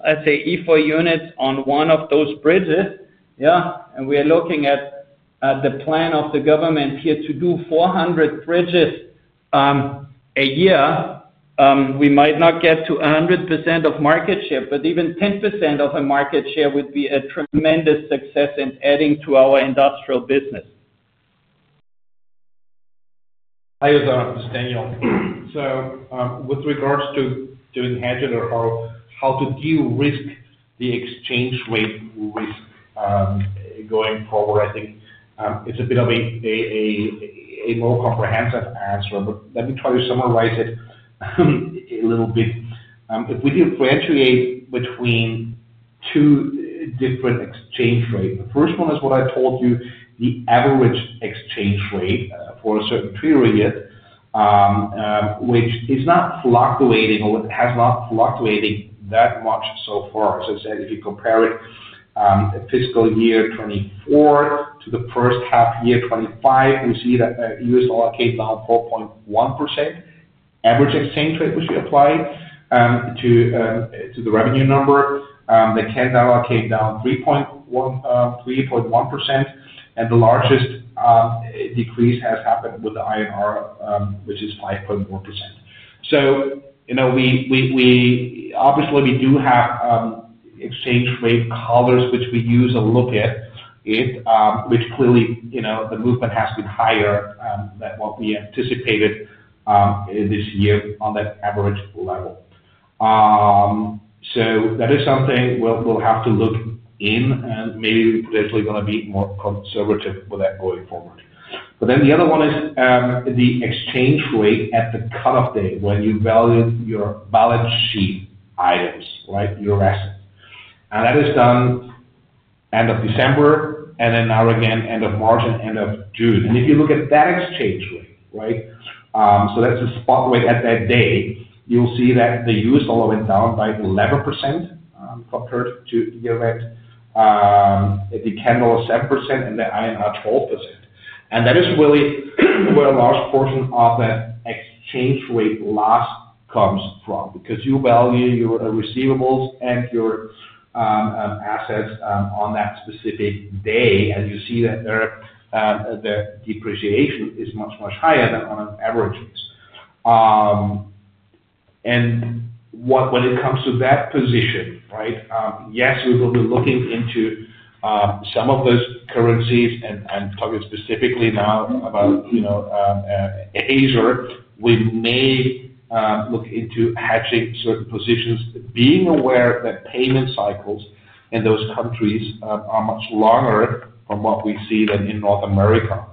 EFOY units on one of those bridges, and we are looking at the plan of the government here to do 400 bridges a year. We might not get to 100% of market share, but even 10% of a market share would be a tremendous success in adding to our industrial business. Hi, Usama. This is Daniel. With regards to doing hedging or how to deal with the exchange rate risk going forward, I think it's a bit of a more comprehensive answer. Let me try to summarize it a little bit. If we differentiate between two different exchange rates, the first one is what I told you, the average exchange rate for a certain period, which is not fluctuating or it has not fluctuated that much so far. I said, if you compare fiscal year 2024 to the first half year 2025, we see that the US dollar came down 4.1%. The average exchange rate which we applied to the revenue number, they came down 3.1%. The largest decrease has happened with the INR, which is 5.4%. We obviously do have exchange rate collars, which we use a little bit, which clearly, the movement has been higher than what we anticipated this year on that average. That is something we'll have to look in and maybe we're going to be more conservative with that going forward. The other one is the exchange rate at the cut-off date when you value your balance sheet items, right? Your assets. That is done end of December, then now again end of March and end of June. If you look at that exchange rate, right, that's your spot rate at that date, you'll see that the US dollar went down by 11% compared to the U.S., the Canadian dollar 7%, and the INR 12%. That is really where a large portion of the exchange rate loss comes from because you value your receivables and your assets on that specific day. You see that there, the depreciation is much, much higher than on an average. When it comes to that position, yes, we will be looking into some of those currencies and I'm talking specifically now about, you know, Azure. We may look into hedging certain positions, being aware that payment cycles in those countries are much longer from what we see than in North America.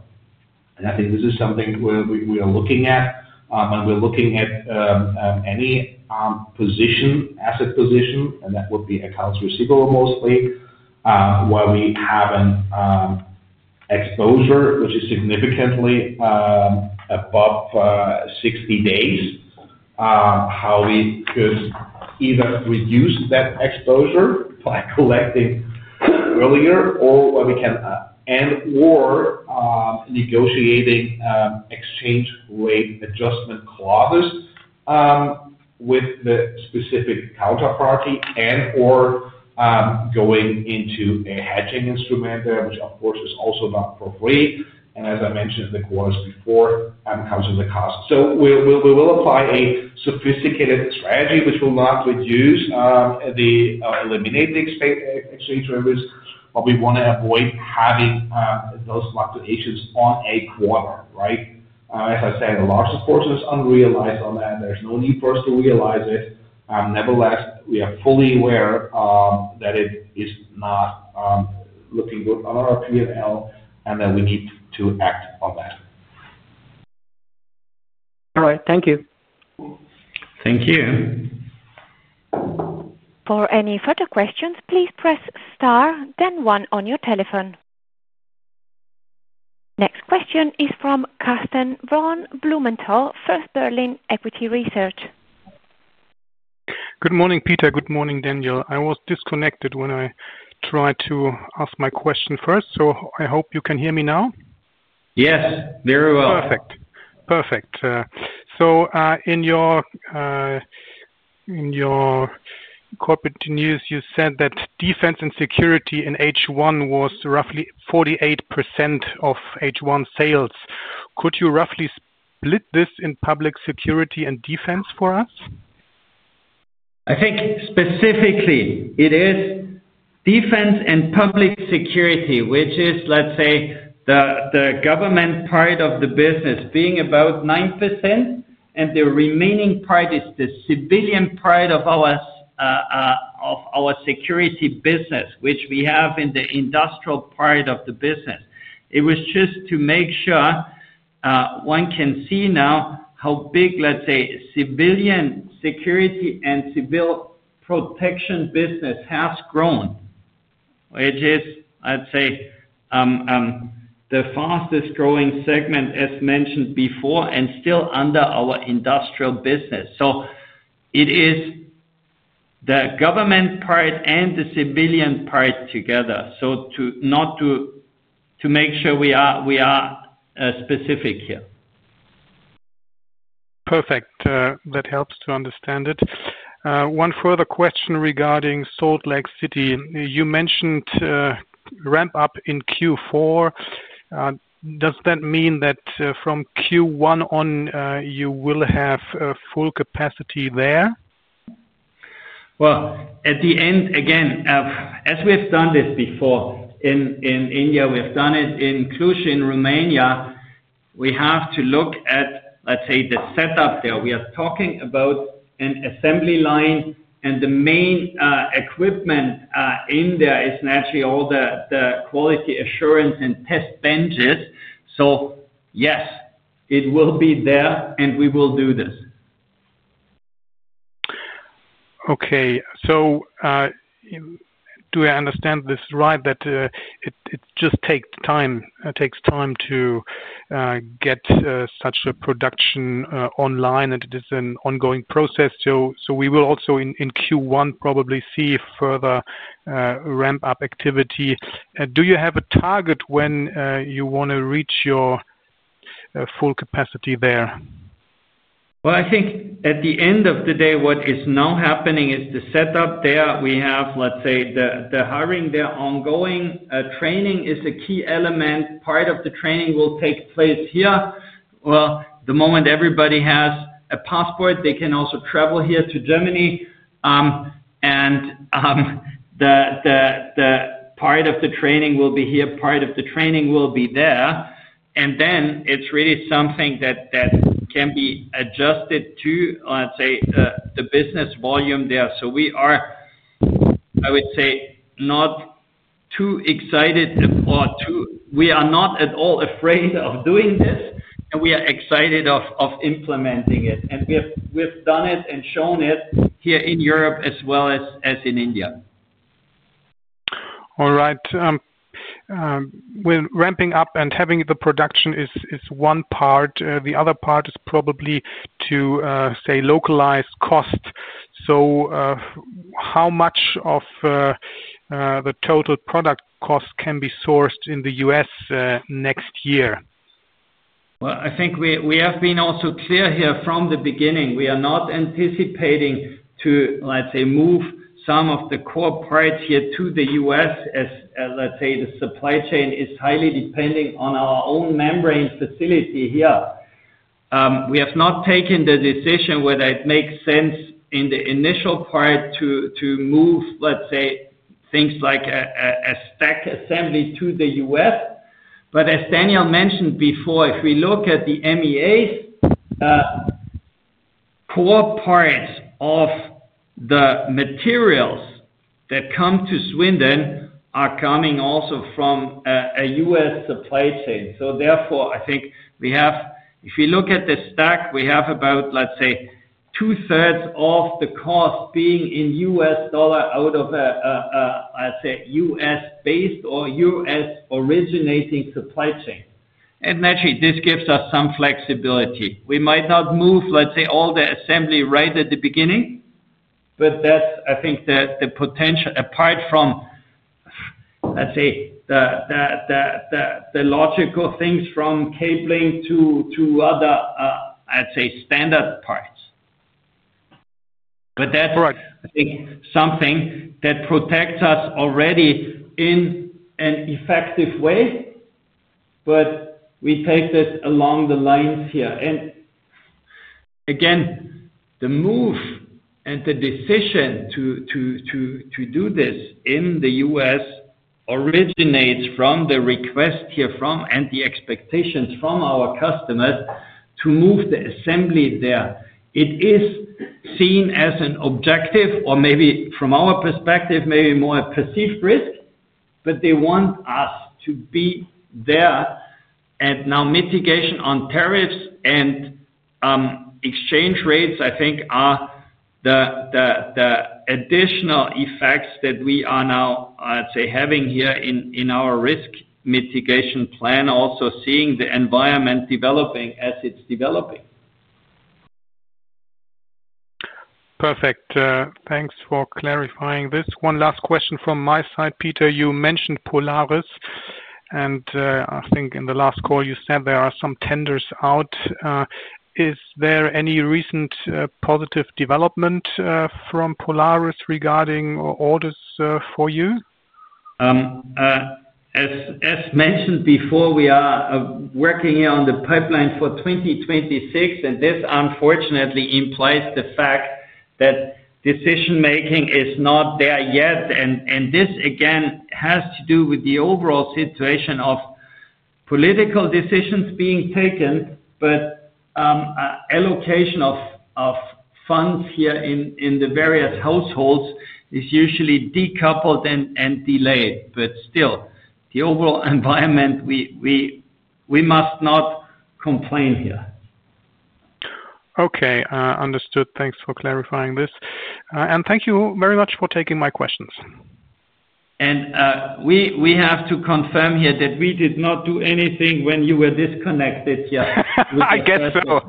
I think this is something where we are looking at, and we're looking at any position, asset position, and that would be accounts receivable mostly, where we have an exposure which is significantly above 60 days, how we could either reduce that exposure by collecting earlier or what we can, and/or, negotiating exchange rate adjustment clauses with the specific counterparty and/or going into a hedging instrument there, which, of course, is also not appropriate. As I mentioned in the quarters before, I'm counting the cost. We will apply a sophisticated strategy, which will not eliminate the exchange rate, but we want to avoid having those fluctuations on a quarter, right? As I said, a large proportion is unrealized on that. There's no need for us to realize it. Nevertheless, we are fully aware that it is not looking good on our P&L and that we need to act on that. All right. Thank you. Thank you. For any further questions, please press star, then one on your telephone. Next question is from Karsten von Blumenthal, First Berlin Equity Research. Good morning, Peter. Good morning, Daniel. I was disconnected when I tried to ask my question first. I hope you can hear me now. Yes, very well. Perfect. In your corporate news, you said that defense and security in H1 was roughly 48% of H1 sales. Could you roughly split this in public security and defense for us? I think specifically, it is defense and public security, which is, let's say, the government part of the business being about 9%, and the remaining part is the civilian part of our security business, which we have in the industrial part of the business. It was just to make sure one can see now how big, let's say, civilian security and civil protection business has grown, which is, I'd say, the fastest growing segment, as mentioned before, and still under our industrial business. It is the government part and the civilian part together. Not to make sure we are specific here. Perfect. That helps to understand it. One further question regarding Salt Lake City. You mentioned ramp-up in Q4. Does that mean that from Q1 on, you will have full capacity there? At the end, again, as we've done this before in India, we've done it in Cluj in Romania, we have to look at, let's say, the setup there. We are talking about an assembly line, and the main equipment in there is naturally all the quality assurance and test benches. Yes, it will be there, and we will do this. Okay. Do I understand this right that it just takes time, takes time to get such a production online, and it is an ongoing process? We will also, in Q1, probably see further ramp-up activity. Do you have a target when you want to reach your full capacity there? I think at the end of the day, what is now happening is the setup there. We have, let's say, the hiring there, ongoing training is a key element. Part of the training will take place here. The moment everybody has a passport, they can also travel here to Germany. Part of the training will be here, part of the training will be there. It's really something that can be adjusted to, let's say, the business volume there. We are, I would say, not too excited for too. We are not at all afraid of doing this, and we are excited of implementing it. We've done it and shown it here in Europe as well as in India. All right. Ramping up and having the production is one part. The other part is probably to say, localized cost. How much of the total product cost can be sourced in the U.S. next year? I think we have been also clear here from the beginning. We are not anticipating to, let's say, move some of the core parts here to the U.S. as, let's say, the supply chain is highly dependent on our own membrane facility here. We have not taken the decision whether it makes sense in the initial part to move, let's say, things like a stack assembly to the U.S. As Daniel mentioned before, if we look at the MEA, core parts of the materials that come to Sweden are coming also from a U.S. supply chain. Therefore, I think we have, if we look at the stack, we have about, let's say, 2/3 of the cost being in US dollar out of a, let's say, U.S.-based or U.S.-originating supply chain. Naturally, this gives us some flexibility. We might not move, let's say, all the assembly right at the beginning. That's the potential, apart from, let's say, the logical things from cabling to other, let's say, standard parts. That's something that protects us already in an effective way. We take that along the lines here. Again, the moves and the decision to do this in the U.S. originates from the request here and the expectations from our customers to move the assembly there. It is seen as an objective, or maybe from our perspective, maybe more a perceived risk, but they want us to be there. Now mitigation on tariffs and exchange rates, I think, are the additional effects that we are now, I'd say, having here in our risk mitigation plan, also seeing the environment developing as it's developing. Perfect. Thanks for clarifying this. One last question from my side, Peter. You mentioned Polaris. I think in the last call, you said there are some tenders out. Is there any recent positive development from Polaris regarding orders for you? As mentioned before, we are working on the pipeline for 2026. This, unfortunately, implies the fact that decision-making is not there yet. This, again, has to do with the overall situation of political decisions being taken, but allocation of funds here in the various households is usually decoupled and delayed. Still, the overall environment, we must not complain here. Okay. Understood. Thanks for clarifying this. Thank you very much for taking my questions. We have to confirm here that we did not do anything when you were disconnected here. I guess so.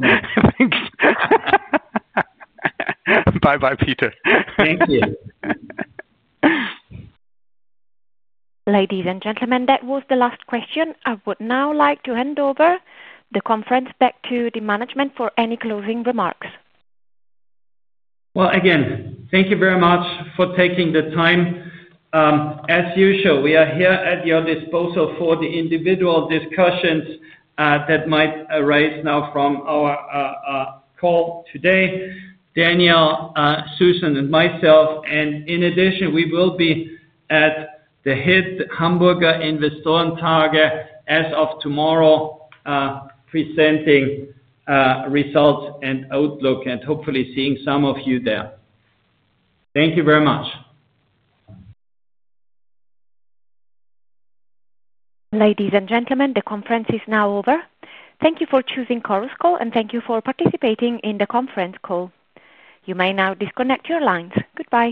Bye-bye, Peter. Thank you. Ladies and gentlemen, that was the last question. I would now like to hand over the conference back to the management for any closing remarks. Thank you very much for taking the time. As usual, we are here at your disposal for the individual discussions that might arise now from our call today: Daniel, Susan, and myself. In addition, we will be at the Head Hamburger Investorentage as of tomorrow, presenting results and outlook and hopefully seeing some of you there. Thank you very much. Ladies and gentlemen, the conference is now over. Thank you for choosing Ciruss Call, and thank you for participating in the conference call. You may now disconnect your lines. Goodbye.